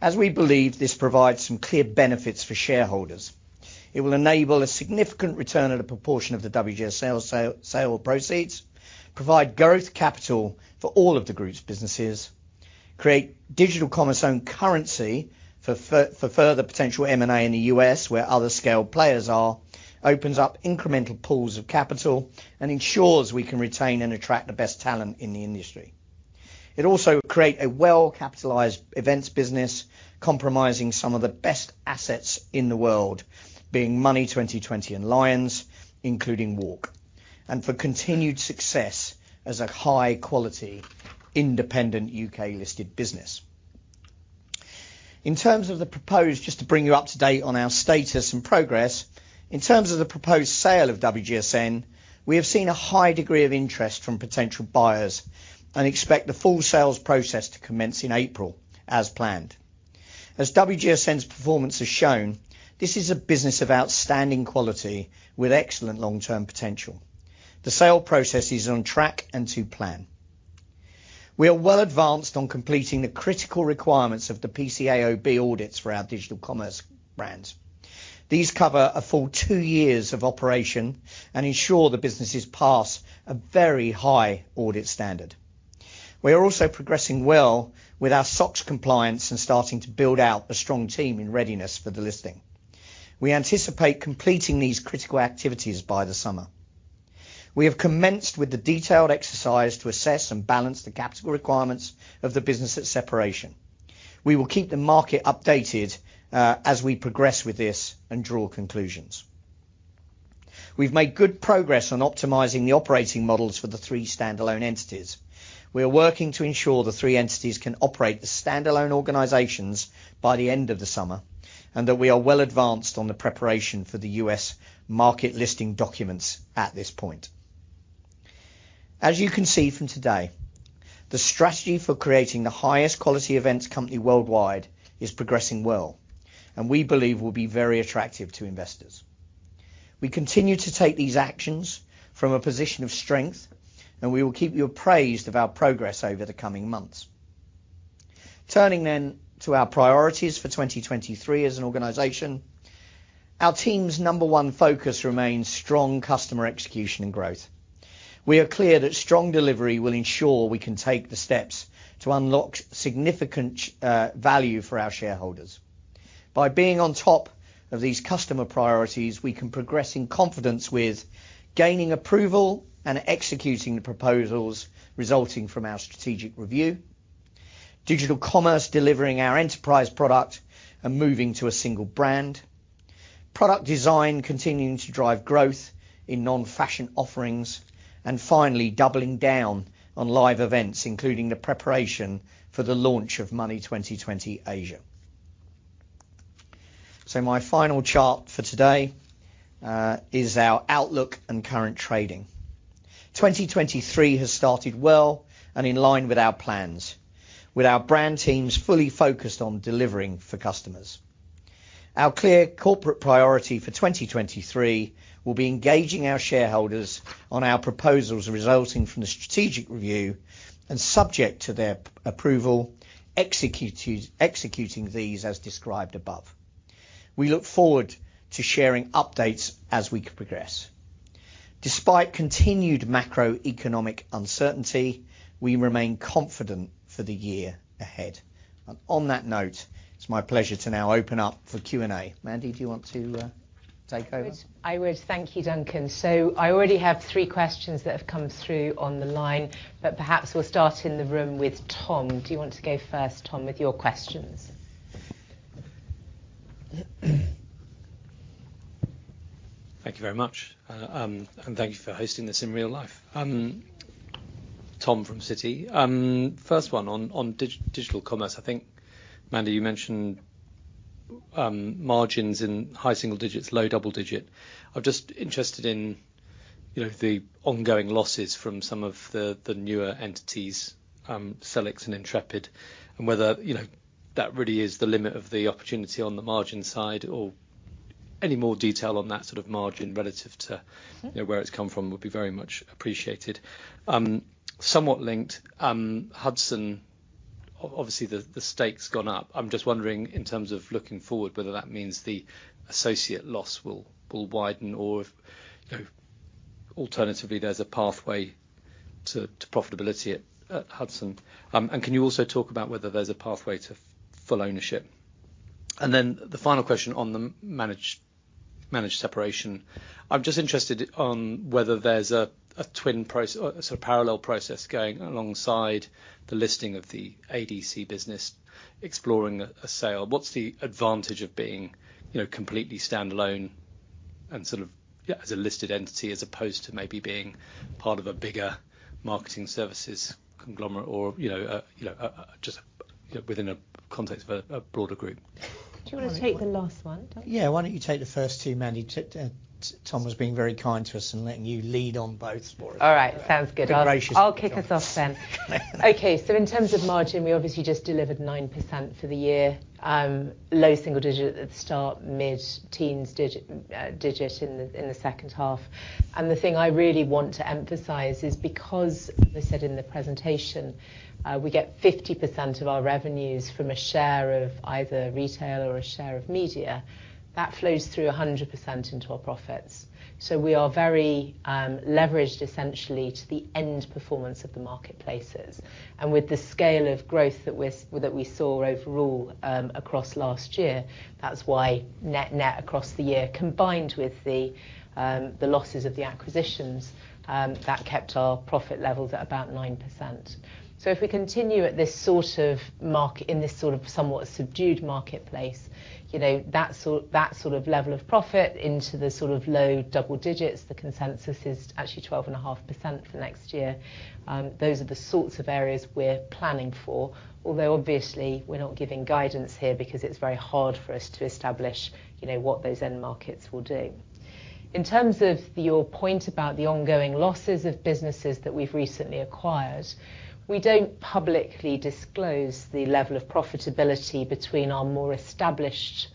As we believe this provides some clear benefits for shareholders, it will enable a significant return at a proportion of the WGSN sale proceeds, provide growth capital for all of the group's businesses, create Digital Commerce own currency for further potential M&A in the U.S. where other scale players are, opens up incremental pools of capital and ensures we can retain and attract the best talent in the industry. It will also create a well-capitalized events business compromising some of the best assets in the world, being Money20/20 and Lions, including WARC. For continued success as a high quality independent U.K.-listed business. In terms of the proposed... Just to bring you up to date on our status and progress. In terms of the proposed sale of WGSN, we have seen a high degree of interest from potential buyers and expect the full sales process to commence in April as planned. As WGSN's performance has shown, this is a business of outstanding quality with excellent long-term potential. The sale process is on track and to plan. We are well advanced on completing the critical requirements of the PCAOB audits for our Digital Commerce brands. These cover a full 2 years of operation and ensure the businesses pass a very high audit standard. We are also progressing well with our SOX compliance and starting to build out a strong team in readiness for the listing. We anticipate completing these critical activities by the summer. We have commenced with the detailed exercise to assess and balance the capital requirements of the business at separation. We will keep the market updated as we progress with this and draw conclusions. We've made good progress on optimizing the operating models for the three standalone entities. We are working to ensure the three entities can operate the standalone organizations by the end of the summer, and we are well advanced on the preparation for the U.S. market listing documents at this point. As you can see from today, the strategy for creating the highest quality events company worldwide is progressing well and we believe will be very attractive to investors. We continue to take these actions from a position of strength, and we will keep you appraised of our progress over the coming months. Turning to our priorities for 2023 as an organization, our team's number one focus remains strong customer execution and growth. We are clear that strong delivery will ensure we can take the steps to unlock significant value for our shareholders. By being on top of these customer priorities, we can progress in confidence with gaining approval and executing the proposals resulting from our strategic review, Digital Commerce delivering our enterprise product and moving to a single brand, product design continuing to drive growth in non-fashion offerings, and finally, doubling down on live events, including the preparation for the launch of Money20/20 Asia. My final chart for today is our outlook and current trading. 2023 has started well and in line with our plans, with our brand teams fully focused on delivering for customers. Our clear corporate priority for 2023 will be engaging our shareholders on our proposals resulting from the strategic review and, subject to their approval, executing these as described above. We look forward to sharing updates as we progress. Despite continued macroeconomic uncertainty, we remain confident for the year ahead. On that note, it's my pleasure to now open up for Q&A. Mandy, do you want to take over? I would. Thank you, Duncan. I already have three questions that have come through on the line, but perhaps we'll start in the room with Tom. Do you want to go first, Tom, with your questions? Thank you very much. Thank you for hosting this in real life. Tom from Citi. First one, on Digital Commerce. I think, Mandy, you mentioned margins in high single digits, low double digit. I'm just interested in, you know, the ongoing losses from some of the newer entities, Sellics and Intrepid, and whether, you know, that really is the limit of the opportunity on the margin side or any more detail on that sort of margin relative to- Mm-hmm you know, where it's come from would be very much appreciated. Somewhat linked, Hudson, obviously the stake's gone up. I'm just wondering, in terms of looking forward, whether that means the associate loss will widen or if, you know, alternatively there's a pathway to profitability at Hudson. Can you also talk about whether there's a pathway to full ownership? The final question on the managed separation. I'm just interested on whether there's a twin process or a sort of parallel process going alongside the listing of the ADC business exploring a sale. What's the advantage of being, you know, completely standalone and sort of as a listed entity as opposed to maybe being part of a bigger marketing services. conglomerate or, you know, you know, just, you know, within a context of a broader group. Do you wanna take the last one, Duncan? Yeah. Why don't you take the first two, Mandy? Tom was being very kind to us and letting you lead on both for us. All right. Sounds good. Gracious. I'll kick us off then. Okay. In terms of margin, we obviously just delivered 9% for the year. Low single-digit at the start, mid-teens digit in the, in the second half. The thing I really want to emphasize is because, as I said in the presentation, we get 50% of our revenues from a share of either retail or a share of media, that flows through 100% into our profits. We are very leveraged essentially to the end performance of the marketplaces. With the scale of growth that we saw overall across last year, that's why net-net across the year, combined with the losses of the acquisitions, that kept our profit levels at about 9%. If we continue in this sort of somewhat subdued marketplace, you know, that sort of level of profit into the sort of low double digits, the consensus is actually 12.5% for next year. Those are the sorts of areas we're planning for. Although obviously we're not giving guidance here because it's very hard for us to establish, you know, what those end markets will do. In terms of your point about the ongoing losses of businesses that we've recently acquired, we don't publicly disclose the level of profitability between our more established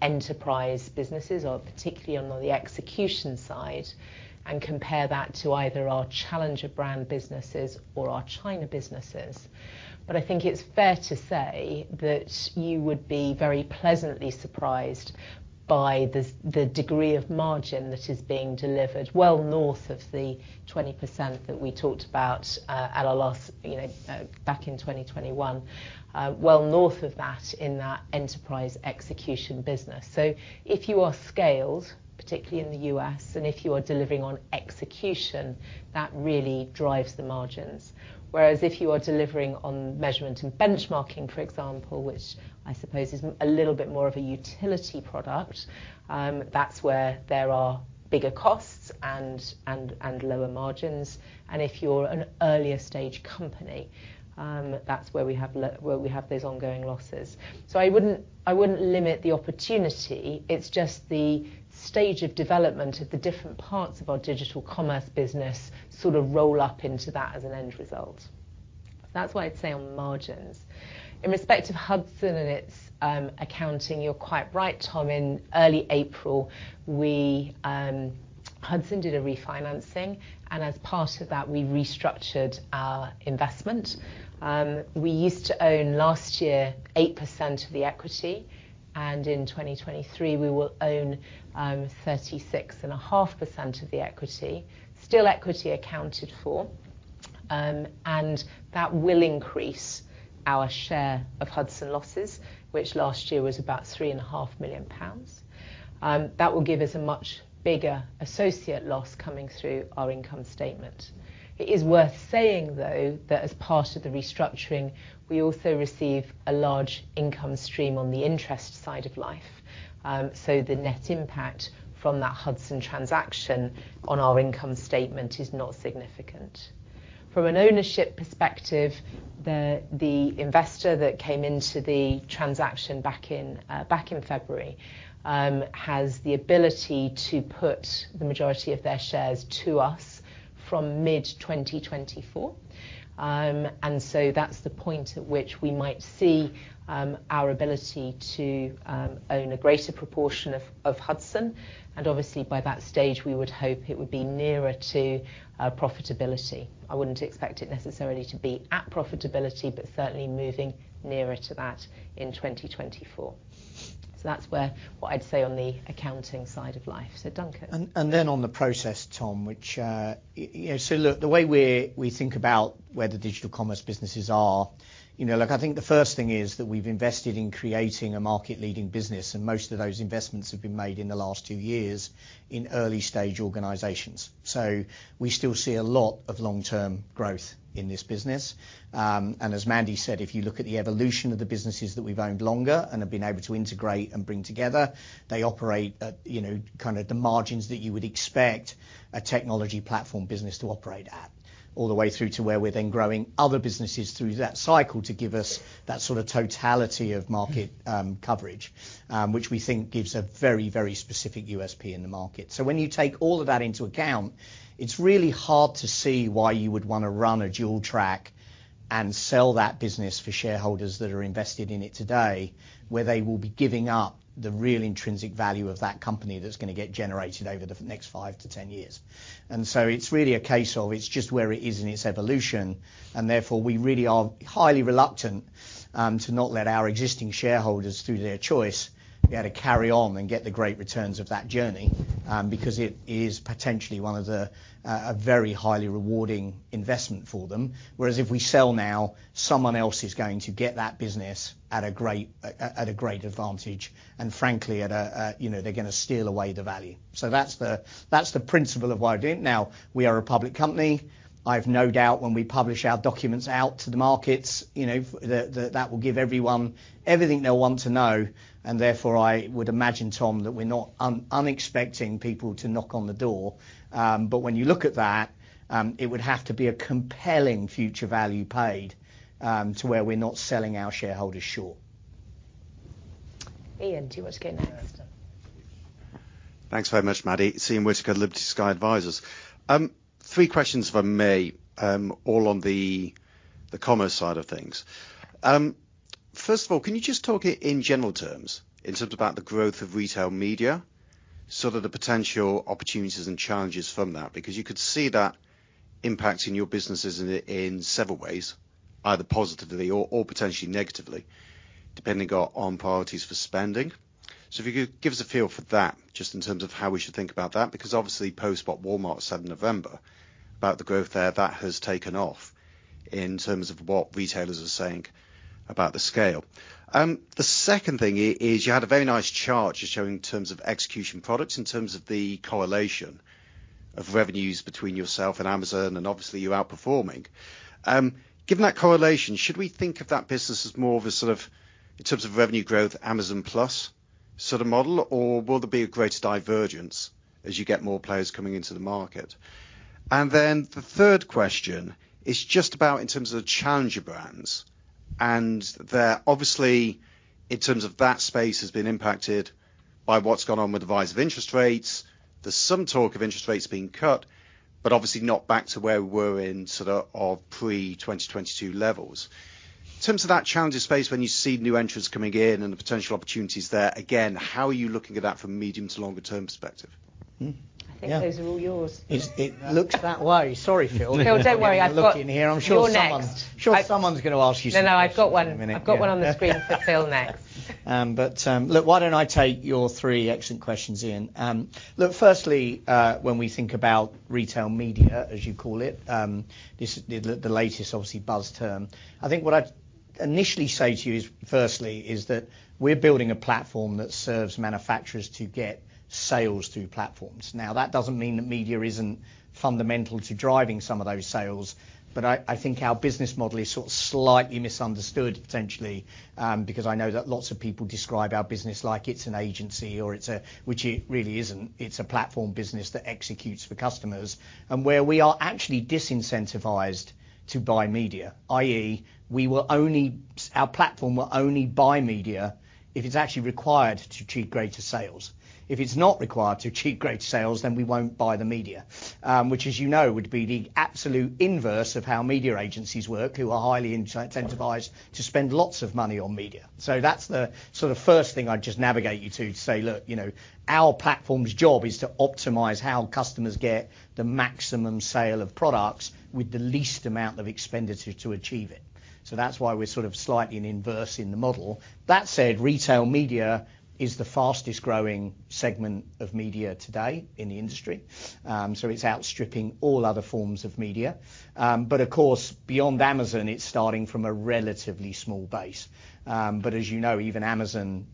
enterprise businesses or particularly on the execution side, and compare that to either our challenger brand businesses or our China businesses. I think it's fair to say that you would be very pleasantly surprised by the degree of margin that is being delivered well north of the 20% that we talked about at our last, you know, back in 2021. Well north of that in that enterprise execution business. If you are scaled, particularly in the U.S., and if you are delivering on execution, that really drives the margins. Whereas if you are delivering on measurement and benchmarking, for example, which I suppose is a little bit more of a utility product, that's where there are bigger costs and lower margins. If you're an earlier stage company, that's where we have where we have those ongoing losses. I wouldn't, I wouldn't limit the opportunity. It's just the stage of development of the different parts of our Digital Commerce business sort of roll up into that as an end result. That's what I'd say on margins. In respect of Hudson and its accounting, you're quite right, Tom. In early April, we Hudson did a refinancing, and as part of that, we restructured our investment. We used to own, last year, 8% of the equity, and in 2023, we will own 36.5% of the equity. Still equity accounted for, and that will increase our share of Hudson losses, which last year was about 3.5 million pounds. That will give us a much bigger associate loss coming through our income statement. It is worth saying, though, that as part of the restructuring, we also receive a large income stream on the interest side of life, so the net impact from that Hudson transaction on our income statement is not significant. From an ownership perspective, the investor that came into the transaction back in February, has the ability to put the majority of their shares to us from mid-2024. That's the point at which we might see our ability to own a greater proportion of Hudson. Obviously by that stage, we would hope it would be nearer to profitability. I wouldn't expect it necessarily to be at profitability, but certainly moving nearer to that in 2024. That's where, what I'd say on the accounting side of life. Duncan. Then on the process, Tom, which, you know, look, the way we think about where the Digital Commerce businesses are, you know, look, I think the first thing is that we've invested in creating a market-leading business, and most of those investments have been made in the last two years in early-stage organizations. We still see a lot of long-term growth in this business. As Mandy said, if you look at the evolution of the businesses that we've owned longer and have been able to integrate and bring together, they operate at, you know, kinda the margins that you would expect a technology platform business to operate at. All the way through to where we're then growing other businesses through that cycle to give us that sort of totality of market, coverage, which we think gives a very, very specific USP in the market. When you take all of that into account, it's really hard to see why you would wanna run a dual track and sell that business for shareholders that are invested in it today, where they will be giving up the real intrinsic value of that company that's gonna get generated over the next five to 10 years. It's really a case of it's just where it is in its evolution, and therefore, we really are highly reluctant to not let our existing shareholders, through their choice, be able to carry on and get the great returns of that journey, because it is potentially one of the, a very highly rewarding investment for them. Whereas if we sell now, someone else is going to get that business at a great advantage and frankly at a you know, they're gonna steal away the value. That's the principle of why I didn't. We are a public company. I've no doubt when we publish our documents out to the markets, you know, that will give everyone everything they'll want to know, and therefore, I would imagine, Tom, that we're not unexpecting people to knock on the door. When you look at that, it would have to be a compelling future value paid to where we're not selling our shareholders short. Ian, do you want to go next now? Thanks very much, Mandy. Ian Whittaker, Liberty Sky Advisors. Three questions from me, all on the commerce side of things. First of all, can you just talk in general terms about the growth of retail media, sort of the potential opportunities and challenges from that? Because you could see that impacting your businesses in several ways, either positively or potentially negatively, depending on priorities for spending. If you could give us a feel for that just in terms of how we should think about that. Because obviously post what Walmart said in November about the growth there, that has taken off in terms of what retailers are saying about the scale. The second thing is you had a very nice chart just showing in terms of execution products, in terms of the correlation of revenues between yourself and Amazon, and obviously you're outperforming. Given that correlation, should we think of that business as more of a sort of, in terms of revenue growth, Amazon Plus sort of model, or will there be a greater divergence as you get more players coming into the market? The third question is just about in terms of challenger brands, and they're obviously, in terms of that space has been impacted by what's gone on with the rise of interest rates. There's some talk of interest rates being cut, but obviously not back to where we were in sort of pre-2022 levels. In terms of that challenger space, when you see new entrants coming in and the potential opportunities there, again, how are you looking at that from medium to longer term perspective? I think those are all yours. It looks that way. Sorry, Phil. Phil, don't worry. I'm looking here. You're next. I'm sure someone's gonna ask you some questions in a minute. No, I've got one. I've got one on the screen for Phil next. Look, why don't I take your three excellent questions, Ian. Look, firstly, when we think about retail media, as you call it, the latest obviously buzz term, I think what I'd initially say to you is firstly is that we're building a platform that serves manufacturers to get sales through platforms. That doesn't mean that media isn't fundamental to driving some of those sales, but I think our business model is sort of slightly misunderstood potentially, because I know that lots of people describe our business like it's an agency or it's a... which it really isn't. It's a platform business that executes for customers and where we are actually disincentivized to buy media, i.e, we will only our platform will only buy media if it's actually required to achieve greater sales. If it's not required to achieve greater sales, we won't buy the media, which as you know, would be the absolute inverse of how media agencies work, who are highly in incentivized to spend lots of money on media. That's the sort of first thing I'd just navigate you to say, look, you know, our platform's job is to optimize how customers get the maximum sale of products with the least amount of expenditure to achieve it. That's why we're sort of slightly an inverse in the model. That said, retail media is the fastest growing segment of media today in the industry. It's outstripping all other forms of media. Of course, beyond Amazon, it's starting from a relatively small base. As you know, even Amazon,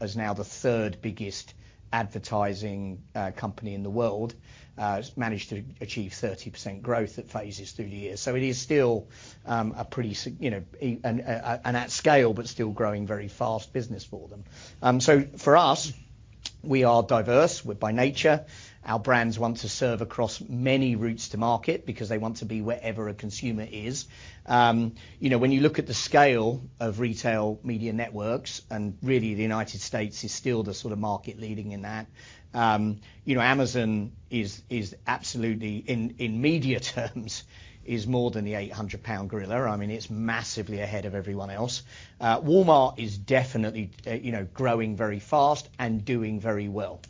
as now the third biggest advertising company in the world, has managed to achieve 30% growth at phases through the years. It is still a pretty and at scale, but still growing very fast business for them. For us, we are diverse. We're by nature. Our brands want to serve across many routes to market because they want to be wherever a consumer is. You know, when you look at the scale of retail media networks and really the United States is still the sort of market leading in that, you know, Amazon is absolutely in media terms, is more than the 800 lbs gorilla. I mean, it's massively ahead of everyone else. Walmart is definitely, you know, growing very fast and doing very well.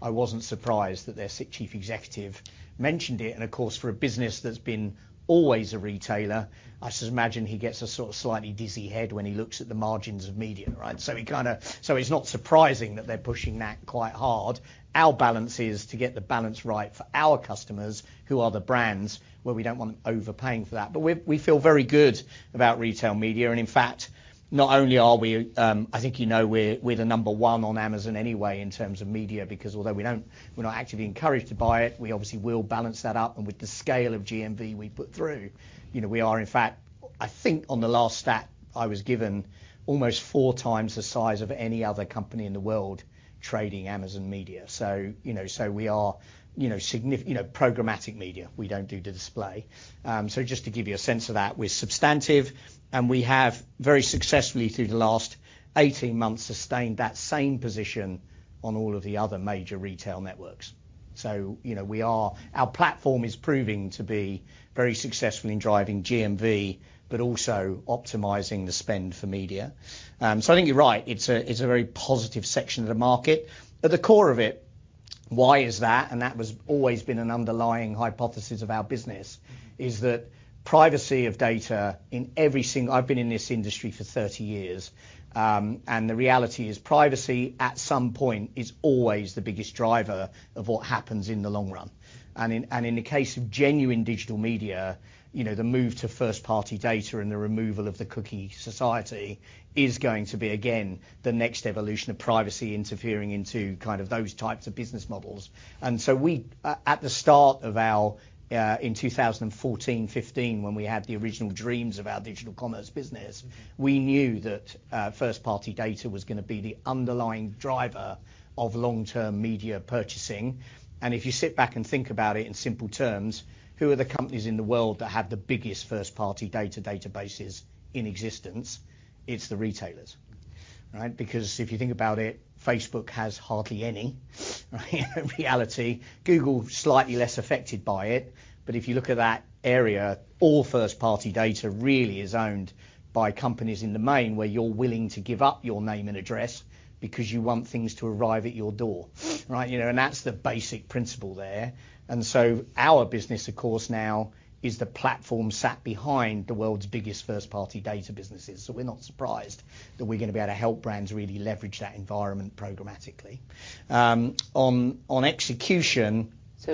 I wasn't surprised that their chief executive mentioned it. Of course, for a business that's been always a retailer, I should imagine he gets a sort of slightly dizzy head when he looks at the margins of media, right? He kinda... he's not surprising that they're pushing that quite hard. Our balance is to get the balance right for our customers who are the brands where we don't want them overpaying for that. We feel very good about retail media. In fact, not only are we, I think you know we're the number one on Amazon anyway in terms of media, because although we don't, we're not actively encouraged to buy it, we obviously will balance that up. With the scale of GMV we put through, you know, we are, in fact, I think on the last stat, I was given almost four times the size of any other company in the world trading Amazon media. We are, you know, programmatic media. We don't do the display. Just to give you a sense of that, we're substantive, and we have very successfully through the last 18 months, sustained that same position on all of the other major retail networks. Our platform is proving to be very successful in driving GMV, but also optimizing the spend for media. I think you're right. It's a, it's a very positive section of the market. At the core of it, why is that? That has always been an underlying hypothesis of our business, is that privacy of data in every single... I've been in this industry for 30 years, and the reality is privacy at some point is always the biggest driver of what happens in the long run. In the case of genuine digital media, you know, the move to first-party data and the removal of the cookie society is going to be, again, the next evolution of privacy interfering into kind of those types of business models. So we, at the start of our, in 2014, 2015, when we had the original dreams of our Digital Commerce business, we knew that first-party data was gonna be the underlying driver of long-term media purchasing. If you sit back and think about it in simple terms, who are the companies in the world that have the biggest first-party data databases in existence? It's the retailers. Right? Because if you think about it, Facebook has hardly any, right? Google slightly less affected by it. If you look at that area, all first-party data really is owned by companies in the main, where you're willing to give up your name and address because you want things to arrive at your door, right? You know, that's the basic principle there. Our business, of course, now is the platform sat behind the world's biggest first-party data businesses. We're not surprised that we're gonna be able to help brands really leverage that environment programmatically. On execution.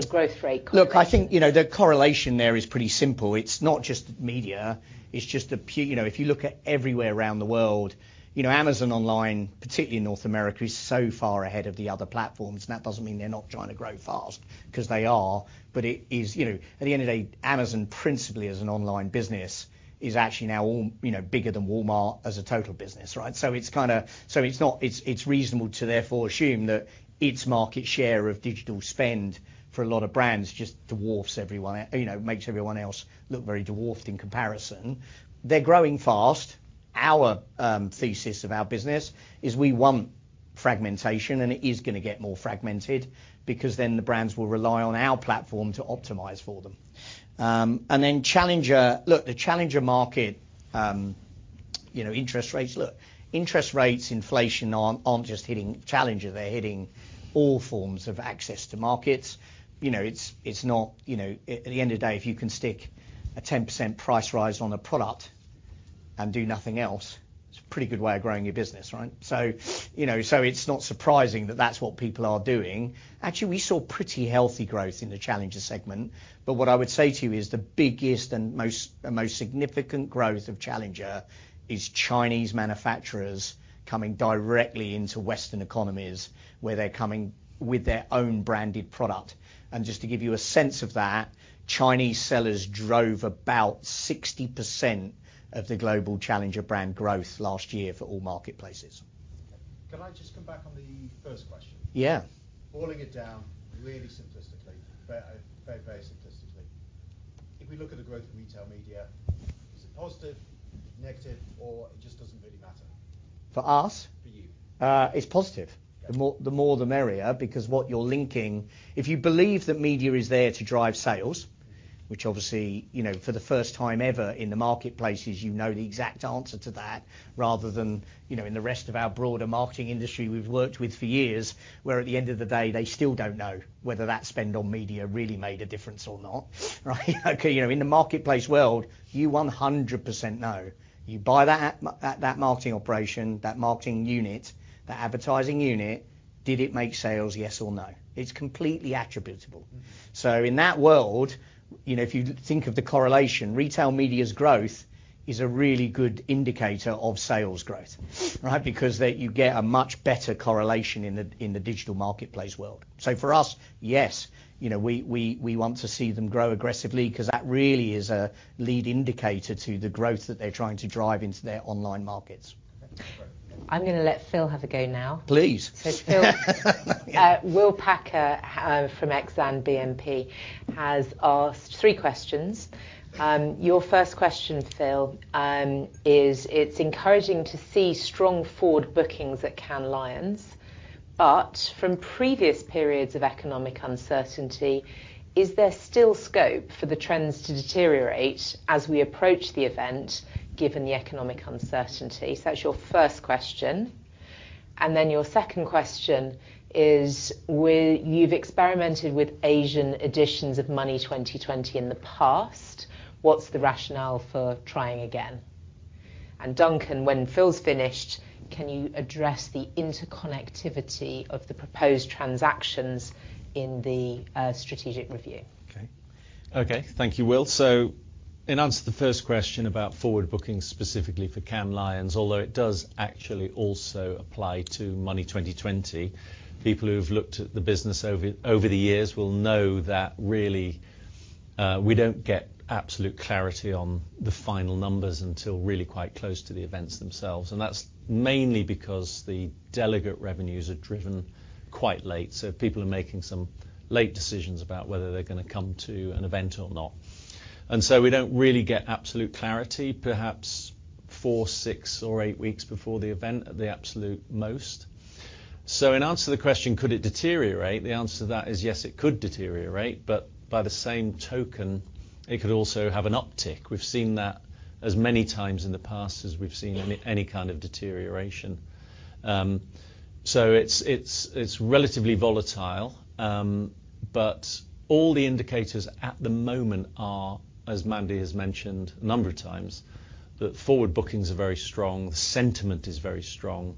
Growth rate correlation. Look, I think, you know, the correlation there is pretty simple. It's not just media, it's just the you know, if you look at everywhere around the world, you know, Amazon online, particularly in North America, is so far ahead of the other platforms. That doesn't mean they're not trying to grow fast 'cause they are. You know, at the end of the day, Amazon principally as an online business, is actually now you know, bigger than Walmart as a total business, right? It's reasonable to therefore assume that its market share of digital spend for a lot of brands just dwarfs everyone you know, makes everyone else look very dwarfed in comparison. They're growing fast. Our thesis of our business is we want fragmentation, and it is gonna get more fragmented because then the brands will rely on our platform to optimize for them. Then Challenger. Look, the Challenger market, you know, interest rates. Look, interest rates, inflation aren't just hitting Challenger, they're hitting all forms of access to markets. You know, it's not. You know, at the end of the day, if you can stick a 10% price rise on a product and do nothing else, it's a pretty good way of growing your business, right? You know, so it's not surprising that that's what people are doing. Actually, we saw pretty healthy growth in the challenger segment. What I would say to you is the biggest and most significant growth of Challenger is Chinese manufacturers coming directly into Western economies, where they're coming with their own branded product. Just to give you a sense of that, Chinese sellers drove about 60% of the global Challenger brand growth last year for all marketplaces. Can I just come back on the first question? Yeah. Boiling it down really simplistically. Very, very simplistically. If we look at the growth of retail media, is it positive, negative, or it just doesn't really matter? For us? For you. It's positive. Okay. The more, the more the merrier because what you're linking... If you believe that media is there to drive sales, which obviously, you know, for the first time ever in the marketplaces you know the exact answer to that rather than, you know, in the rest of our broader marketing industry we've worked with for years, where at the end of the day, they still don't know whether that spend on media really made a difference or not, right? Okay. You know, in the marketplace world, you 100% know. You buy that marketing operation, that marketing unit, that advertising unit, did it make sales, yes or no? It's completely attributable. In that world, you know, if you think of the correlation, retail media's growth is a really good indicator of sales growth, right? You get a much better correlation in the digital marketplace world. For us, yes, you know, we want to see them grow aggressively 'cause that really is a lead indicator to the growth that they're trying to drive into their online markets. Okay. Great. I'm gonna let Phil have a go now. Please. Phil, Will Packer from Exane BNP has asked three questions. Your first question, Phil, is, "It's encouraging to see strong forward bookings at Cannes Lions, but from previous periods of economic uncertainty, is there still scope for the trends to deteriorate as we approach the event given the economic uncertainty?" That's your first question. Your second question is, "You've experimented with Asian editions of Money20/20 in the past. What's the rationale for trying again?" Duncan, when Phil's finished, can you address the interconnectivity of the proposed transactions in the strategic review? Okay. Okay. Thank you, Will. In answer to the first question about forward bookings specifically for Cannes Lions, although it does actually also apply to Money20/20, people who've looked at the business over the years will know that really, we don't get absolute clarity on the final numbers until really quite close to the events themselves. That's mainly because the delegate revenues are driven quite late, so people are making some late decisions about whether they're gonna come to an event or not. We don't really get absolute clarity, perhaps four, six, or eight weeks before the event at the absolute most. In answer to the question, could it deteriorate? The answer to that is yes, it could deteriorate, but by the same token, it could also have an uptick. We've seen that as many times in the past as we've seen any kind of deterioration. It's relatively volatile. All the indicators at the moment are, as Mandy has mentioned a number of times, that forward bookings are very strong, sentiment is very strong,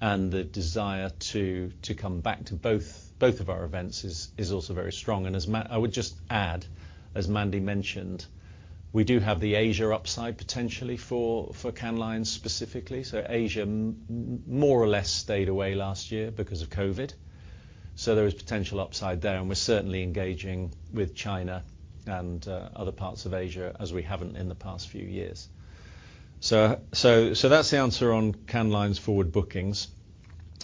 and the desire to come back to both of our events is also very strong. I would just add, as Mandy mentioned, we do have the Asia upside potentially for Cannes Lions specifically. Asia more or less stayed away last year because of COVID. There is potential upside there, and we're certainly engaging with China and other parts of Asia as we haven't in the past few years. That's the answer on Cannes Lions forward bookings.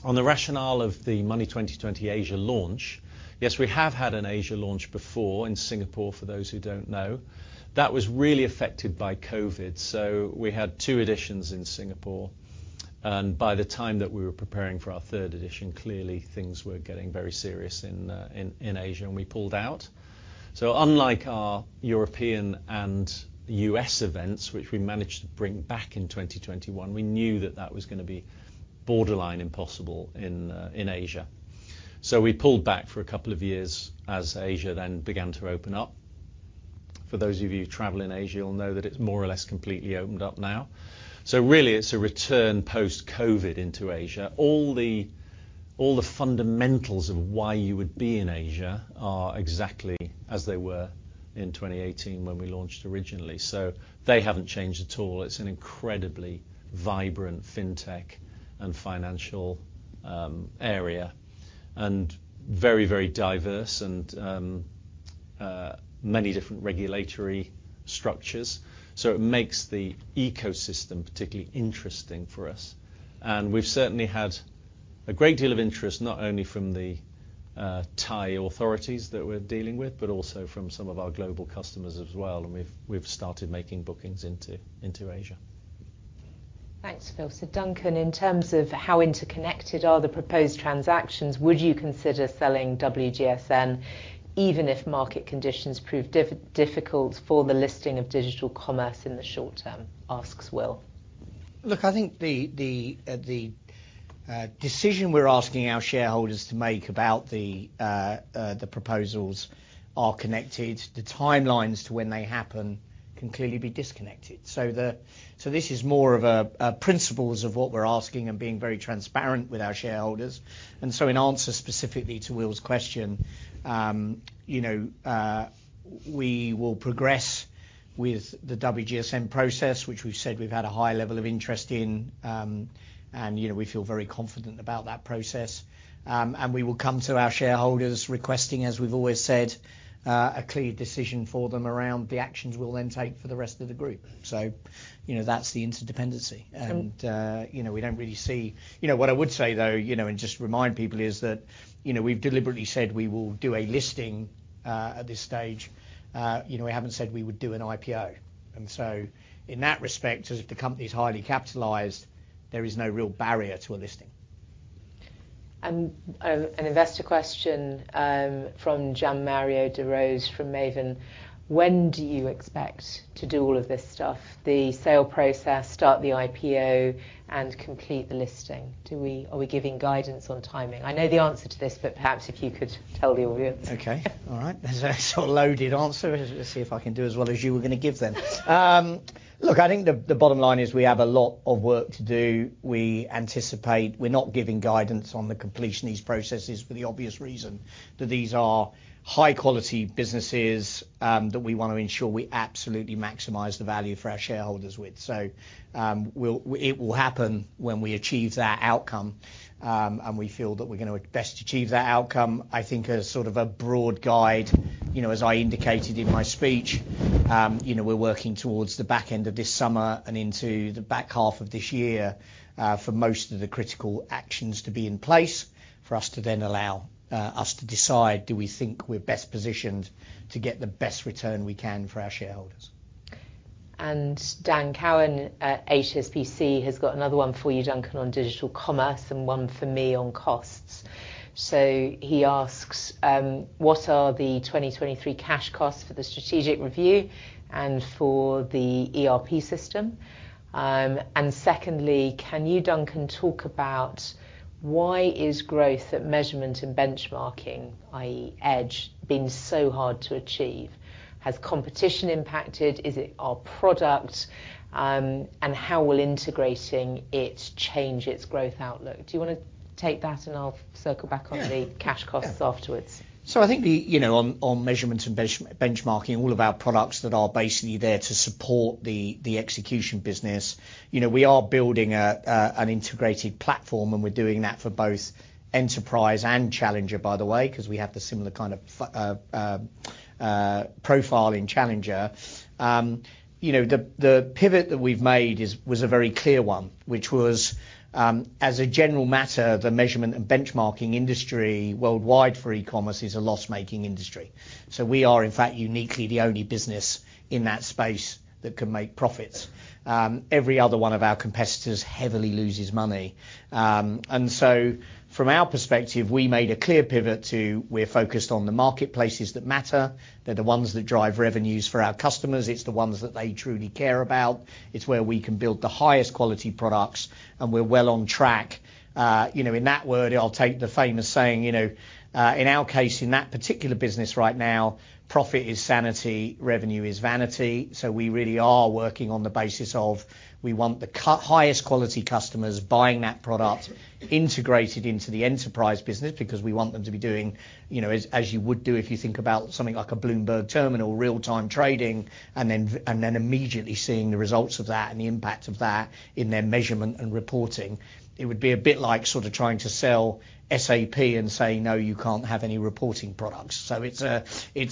On the rationale of the Money20/20 Asia launch, yes, we have had an Asia launch before in Singapore, for those who don't know. That was really affected by COVID. We had two editions in Singapore, and by the time that we were preparing for our third edition, clearly things were getting very serious in Asia, and we pulled out. Unlike our European and U.S. events, which we managed to bring back in 2021, we knew that that was going to be borderline impossible in Asia. We pulled back for a couple of years as Asia then began to open up. For those of you traveling Asia, you'll know that it's more or less completely opened up now. Really it's a return post-COVID into Asia. All the fundamentals of why you would be in Asia are exactly as they were in 2018 when we launched originally. They haven't changed at all. It's an incredibly vibrant fintech and financial area and very diverse and many different regulatory structures. It makes the ecosystem particularly interesting for us. We've certainly had a great deal of interest, not only from the Thai authorities that we're dealing with, but also from some of our global customers as well. We've started making bookings into Asia. Thanks, Phil. Duncan, in terms of how interconnected are the proposed transactions, would you consider selling WGSN even if market conditions prove difficult for the listing of Digital Commerce in the short term? Asks Will. Look, I think the decision we're asking our shareholders to make about the proposals are connected. The timelines to when they happen can clearly be disconnected. This is more of a principles of what we're asking and being very transparent with our shareholders. In answer specifically to Will's question, you know, we will progress with the WGSN process, which we've said we've had a high level of interest in, and, you know, we feel very confident about that process. We will come to our shareholders requesting, as we've always said, a clear decision for them around the actions we'll then take for the rest of the group. You know, that's the interdependency. You know, we don't really see. You know, what I would say though, you know, and just remind people, is that, you know, we've deliberately said we will do a listing, at this stage. You know, we haven't said we would do an IPO. So in that respect, as if the company's highly capitalized, there is no real barrier to a listing. An investor question from Gianmario de Rose from Maven. When do you expect to do all of this stuff, the sale process, start the IPO, and complete the listing? Are we giving guidance on timing? I know the answer to this, but perhaps if you could tell the audience. Okay. All right. That's a sort of loaded answer. Let's see if I can do as well as you were gonna give then. Look, I think the bottom line is we have a lot of work to do. We're not giving guidance on the completion of these processes for the obvious reason that these are high-quality businesses, that we wanna ensure we absolutely maximize the value for our shareholders with. It will happen when we achieve that outcome. We feel that we're gonna best achieve that outcome, I think as sort of a broad guide. You know, as I indicated in my speech, you know, we're working towards the back end of this summer and into the back half of this year, for most of the critical actions to be in place for us to then allow us to decide, do we think we're best positioned to get the best return we can for our shareholders? Dan Cowan at HSBC has got another one for you, Duncan, on Digital Commerce and one for me on costs. He asks, what are the 2023 cash costs for the strategic review and for the ERP system? Secondly, can you, Duncan, talk about why is growth at measurement and benchmarking, i.e., Edge, been so hard to achieve? Has competition impacted? Is it our product? How will integrating it change its growth outlook? Do you wanna take that and I'll circle back. Yeah the cash costs afterwards? I think the, you know, on measurement and benchmarking all of our products that are basically there to support the execution business, you know, we are building an integrated platform, and we're doing that for both enterprise and challenger, by the way, 'cause we have the similar kind of profile in challenger. You know, the pivot that we've made is, was a very clear one, which was, as a general matter, the measurement and benchmarking industry worldwide for e-commerce is a loss-making industry. We are, in fact, uniquely the only business in that space that can make profits. Every other one of our competitors heavily loses money. From our perspective, we made a clear pivot to we're focused on the marketplaces that matter. They're the ones that drive revenues for our customers. It's the ones that they truly care about. It's where we can build the highest quality products, and we're well on track. you know, in that word, I'll take the famous saying, you know, in our case, in that particular business right now, profit is sanity, revenue is vanity. We really are working on the basis of we want the highest quality customers buying that product integrated into the enterprise business because we want them to be doing, you know, as you would do if you think about something like a Bloomberg terminal, real-time trading, and then immediately seeing the results of that and the impact of that in their measurement and reporting. It would be a bit like sorta trying to sell SAP and saying, "No, you can't have any reporting products." It's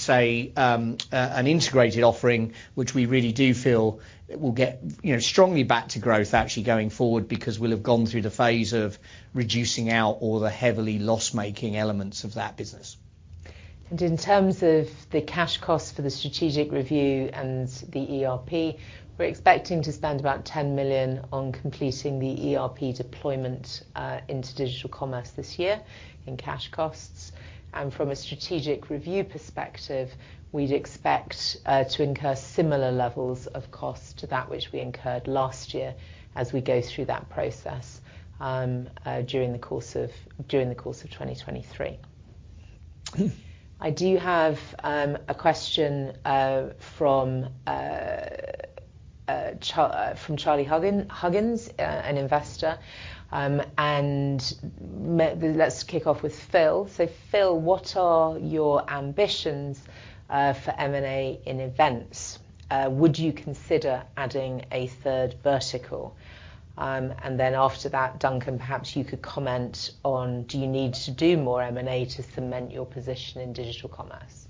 an integrated offering, which we really do feel will get, you know, strongly back to growth actually going forward because we'll have gone through the phase of reducing out all the heavily loss-making elements of that business. In terms of the cash costs for the strategic review and the ERP, we're expecting to spend about 10 million on completing the ERP deployment into Digital Commerce this year in cash costs. From a strategic review perspective, we'd expect to incur similar levels of cost to that which we incurred last year as we go through that process during the course of 2023. I do have a question from Charlie Huggins, an investor, let's kick off with Phil. Phil, what are your ambitions for M&A in events? Would you consider adding a third vertical? After that, Duncan, perhaps you could comment on, do you need to do more M&A to cement your position in Digital Commerce?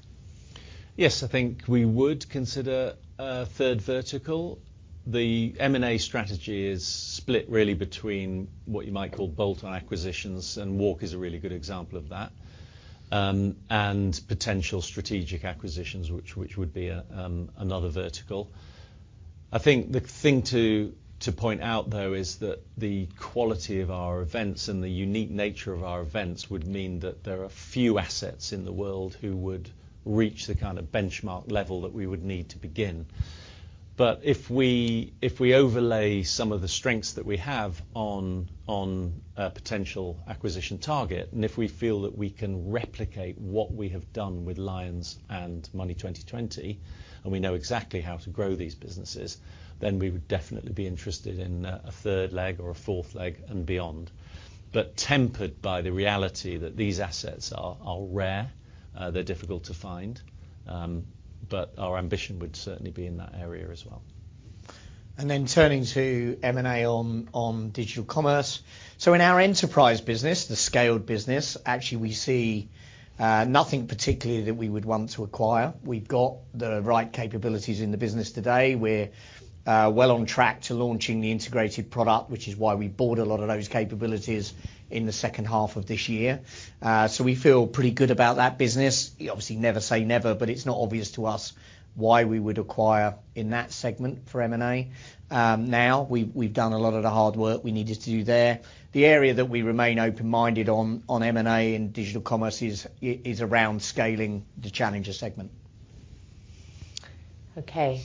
Yes, I think we would consider a third vertical. The M&A strategy is split really between what you might call bolt-on acquisitions, and WARC is a really good example of that, and potential strategic acquisitions, which would be another vertical. I think the thing to point out though is that the quality of our events and the unique nature of our events would mean that there are few assets in the world who would reach the kind of benchmark level that we would need to begin. If we overlay some of the strengths that we have on a potential acquisition target, and if we feel that we can replicate what we have done with Lions and Money20/20, and we know exactly how to grow these businesses, then we would definitely be interested in a third leg or a fourth leg and beyond. Tempered by the reality that these assets are rare, they're difficult to find, but our ambition would certainly be in that area as well. Turning to M&A on Digital Commerce. In our enterprise business, the scaled business, actually we see nothing particularly that we would want to acquire. We've got the right capabilities in the business today. We're well on track to launching the integrated product, which is why we bought a lot of those capabilities in the second half of this year. We feel pretty good about that business. Obviously, never say never, it's not obvious to us why we would acquire in that segment for M&A. Now we've done a lot of the hard work we needed to do there. The area that we remain open-minded on M&A and Digital Commerce is around scaling the challenger segment. Okay.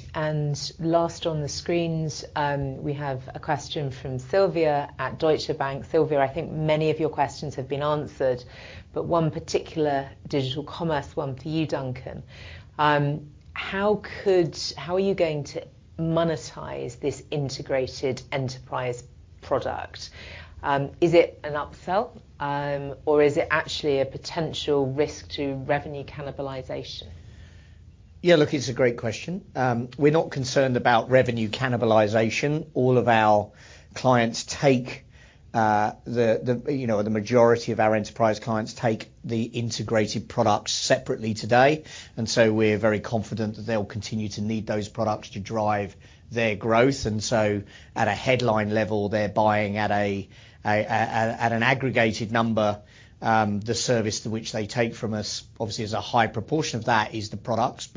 Last on the screens, we have a question from Sylvia at Deutsche Bank. Sylvia, I think many of your questions have been answered, one particular Digital Commerce one for you, Duncan. How are you going to monetize this integrated enterprise product? Is it an upsell? Is it actually a potential risk to revenue cannibalization? Yeah, look, it's a great question. We're not concerned about revenue cannibalization. All of our clients take the, you know, the majority of our enterprise clients take the integrated products separately today. We're very confident that they'll continue to need those products to drive their growth. At a headline level, they're buying an aggregated number, the service to which they take from us, obviously, as a high proportion of that is the products.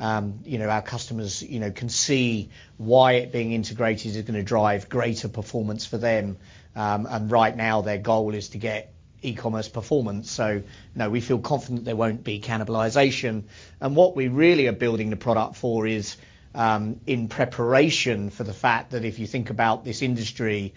Our customers, you know, can see why it being integrated is gonna drive greater performance for them. And right now, their goal is to get e-commerce performance. No, we feel confident there won't be cannibalization. What we really are building the product for is in preparation for the fact that if you think about this industry,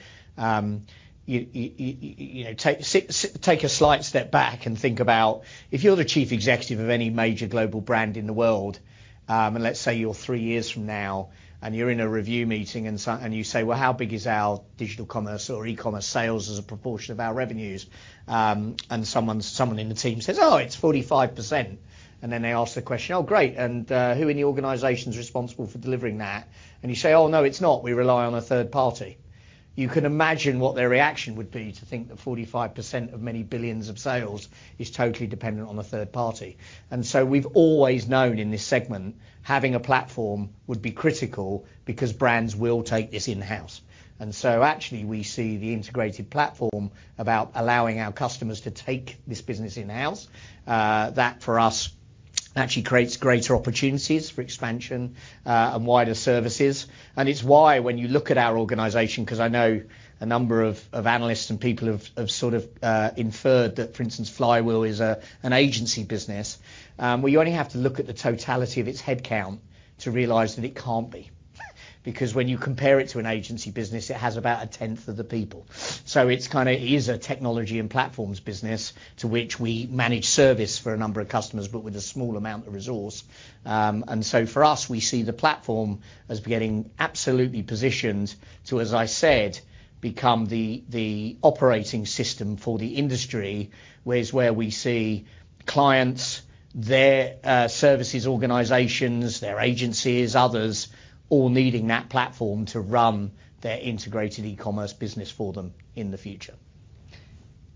you know, take a slight step back and think about if you're the chief executive of any major global brand in the world, let's say you're three years from now, you're in a review meeting, you say, "Well, how big is our Digital Commerce or eCommerce sales as a proportion of our revenues?" Someone in the team says, "Oh, it's 45%." Then they ask the question, "Oh, great, and who in the organization is responsible for delivering that?" You say, "Oh, no, it's not. We rely on a third party." You can imagine what their reaction would be to think that 45% of many billions of sales is totally dependent on a third party. We've always known in this segment, having a platform would be critical because brands will take this in-house. Actually, we see the integrated platform about allowing our customers to take this business in-house. That for us actually creates greater opportunities for expansion and wider services. It's why when you look at our organization, 'cause I know a number of analysts and people have sort of inferred that, for instance, Flywheel is an agency business. Well, you only have to look at the totality of its headcount to realize that it can't be. When you compare it to an agency business, it has about a tenth of the people. It's kinda is a technology and platforms business to which we manage service for a number of customers, but with a small amount of resource. For us, we see the platform as getting absolutely positioned to, as I said, become the operating system for the industry. Where is where we see clients, their services organizations, their agencies, others, all needing that platform to run their integrated e-commerce business for them in the future.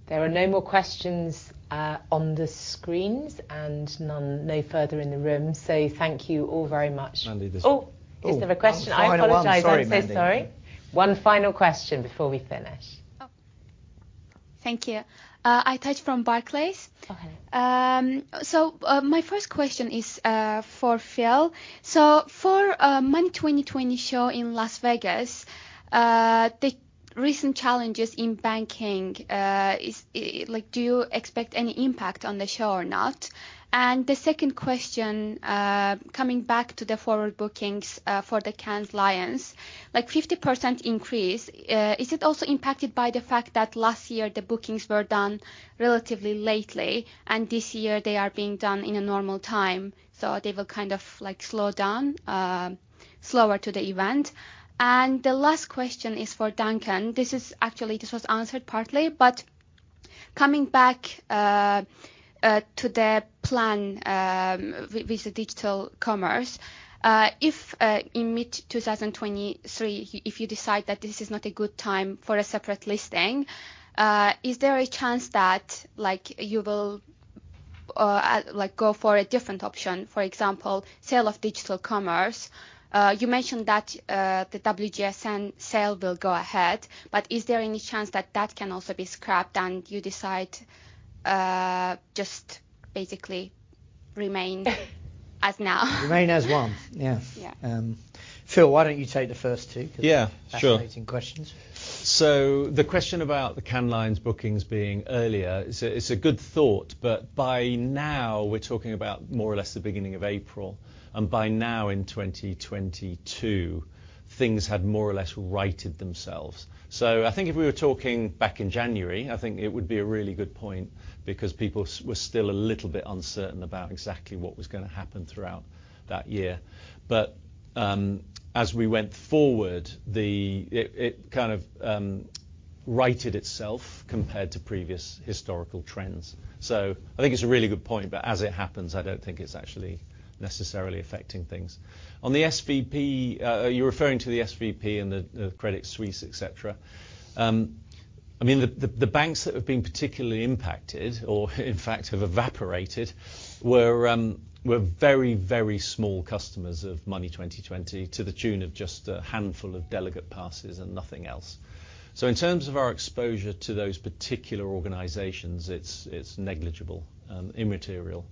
There are no more questions on the screens and none, no further in the room. Thank you all very much. Mandy, there's. Oh, is there a question? Oh, final one. I apologize. Sorry, Mandy. I'm so sorry. One final question before we finish. Thank you. Aytac Ilhan from Barclays. Go ahead. My first question is for Phil. For Money20/20 show in Las Vegas, the recent challenges in banking, do you expect any impact on the show or not? The second question, coming back to the forward bookings for the Cannes Lions. Like 50% increase, is it also impacted by the fact that last year the bookings were done relatively lately, and this year they are being done in a normal time, so they will kind of like slow down slower to the event? The last question is for Duncan. This is actually, this was answered partly, but coming back to the plan, with the Digital Commerce, if in mid-2023, if you decide that this is not a good time for a separate listing, is there a chance that, like, you will, like, go for a different option, for example, sale of Digital Commerce? You mentioned that the WGSN sale will go ahead, but is there any chance that that can also be scrapped and you decide just basically remain as now? Remain as one. Yeah. Yeah. Phil, why don't you take the first two. Yeah, sure. ...fascinating questions. The question about the Cannes Lions bookings being earlier is a good thought, but by now we're talking about more or less the beginning of April, and by now in 2022, things had more or less righted themselves. I think if we were talking back in January, I think it would be a really good point because people were still a little bit uncertain about exactly what was gonna happen throughout that year. As we went forward, it kind of righted itself compared to previous historical trends. I think it's a really good point, but as it happens, I don't think it's actually necessarily affecting things. On the SVB, you're referring to the SVB and the Credit Suisse, et cetera. I mean, the banks that have been particularly impacted or in fact have evaporated were very, very small customers of Money20/20 to the tune of just a handful of delegate passes and nothing else. In terms of our exposure to those particular organizations, it's negligible, immaterial.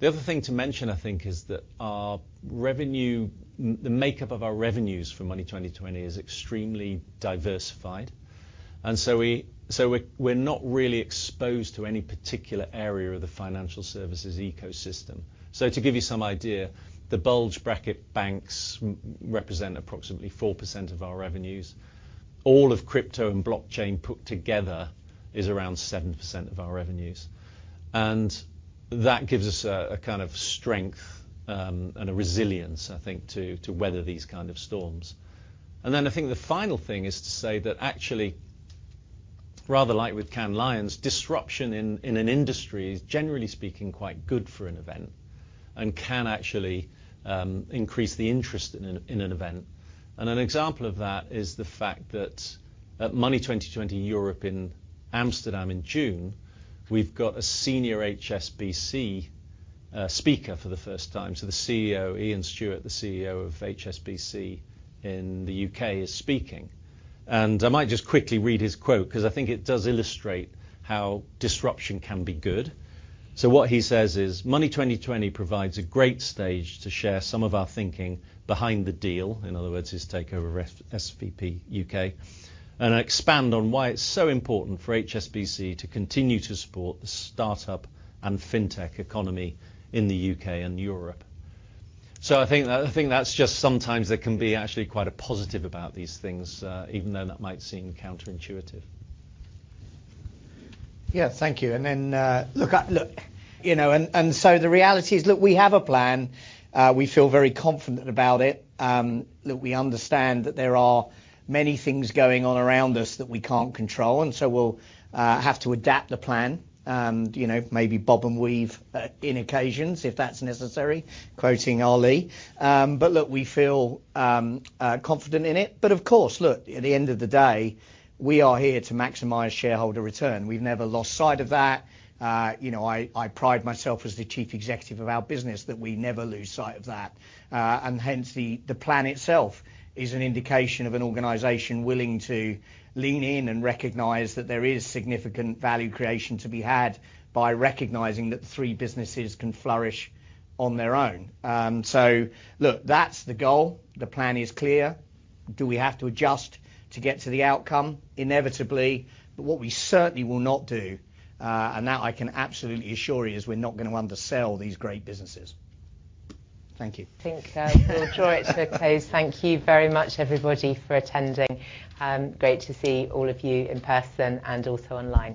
The other thing to mention, I think, is that our revenue, the makeup of our revenues for Money20/20 is extremely diversified, so we're not really exposed to any particular area of the financial services ecosystem. To give you some idea, the bulge bracket banks represent approximately 4% of our revenues. All of crypto and blockchain put together is around 7% of our revenues. That gives us a kind of strength and a resilience, I think to weather these kind of storms. I think the final thing is to say that actually, rather like with Cannes Lions, disruption in an industry is, generally speaking, quite good for an event and can actually increase the interest in an event. An example of that is the fact that at Money20/20 Europe in Amsterdam in June, we've got a senior HSBC speaker for the first time. So the CEO, Ian Stuart, the CEO of HSBC in the U.K. is speaking. I might just quickly read his quote 'cause I think it does illustrate how disruption can be good. What he says is, "Money20/20 provides a great stage to share some of our thinking behind the deal," in other words, his takeover of SVB U.K., "and expand on why it's so important for HSBC to continue to support the start-up and fintech economy in the U.K. and Europe." I think that, I think that's just sometimes there can be actually quite a positive about these things, even though that might seem counterintuitive. Yeah. Thank you. Look, you know, the reality is, look, we have a plan. We feel very confident about it. Look, we understand that there are many things going on around us that we can't control, we'll have to adapt the plan. You know, maybe bob and weave in occasions if that's necessary, quoting Ali. Look, we feel confident in it. Of course, look, at the end of the day, we are here to maximize shareholder return. We've never lost sight of that. You know, I pride myself as the chief executive of our business that we never lose sight of that. Hence the plan itself is an indication of an organization willing to lean in and recognize that there is significant value creation to be had by recognizing that the three businesses can flourish on their own. Look, that's the goal. The plan is clear. Do we have to adjust to get to the outcome? Inevitably. What we certainly will not do, and that I can absolutely assure you, is we're not gonna undersell these great businesses. Thank you. Thank, Phil. Draw it to a close. Thank you very much, everybody, for attending. Great to see all of you in person and also online.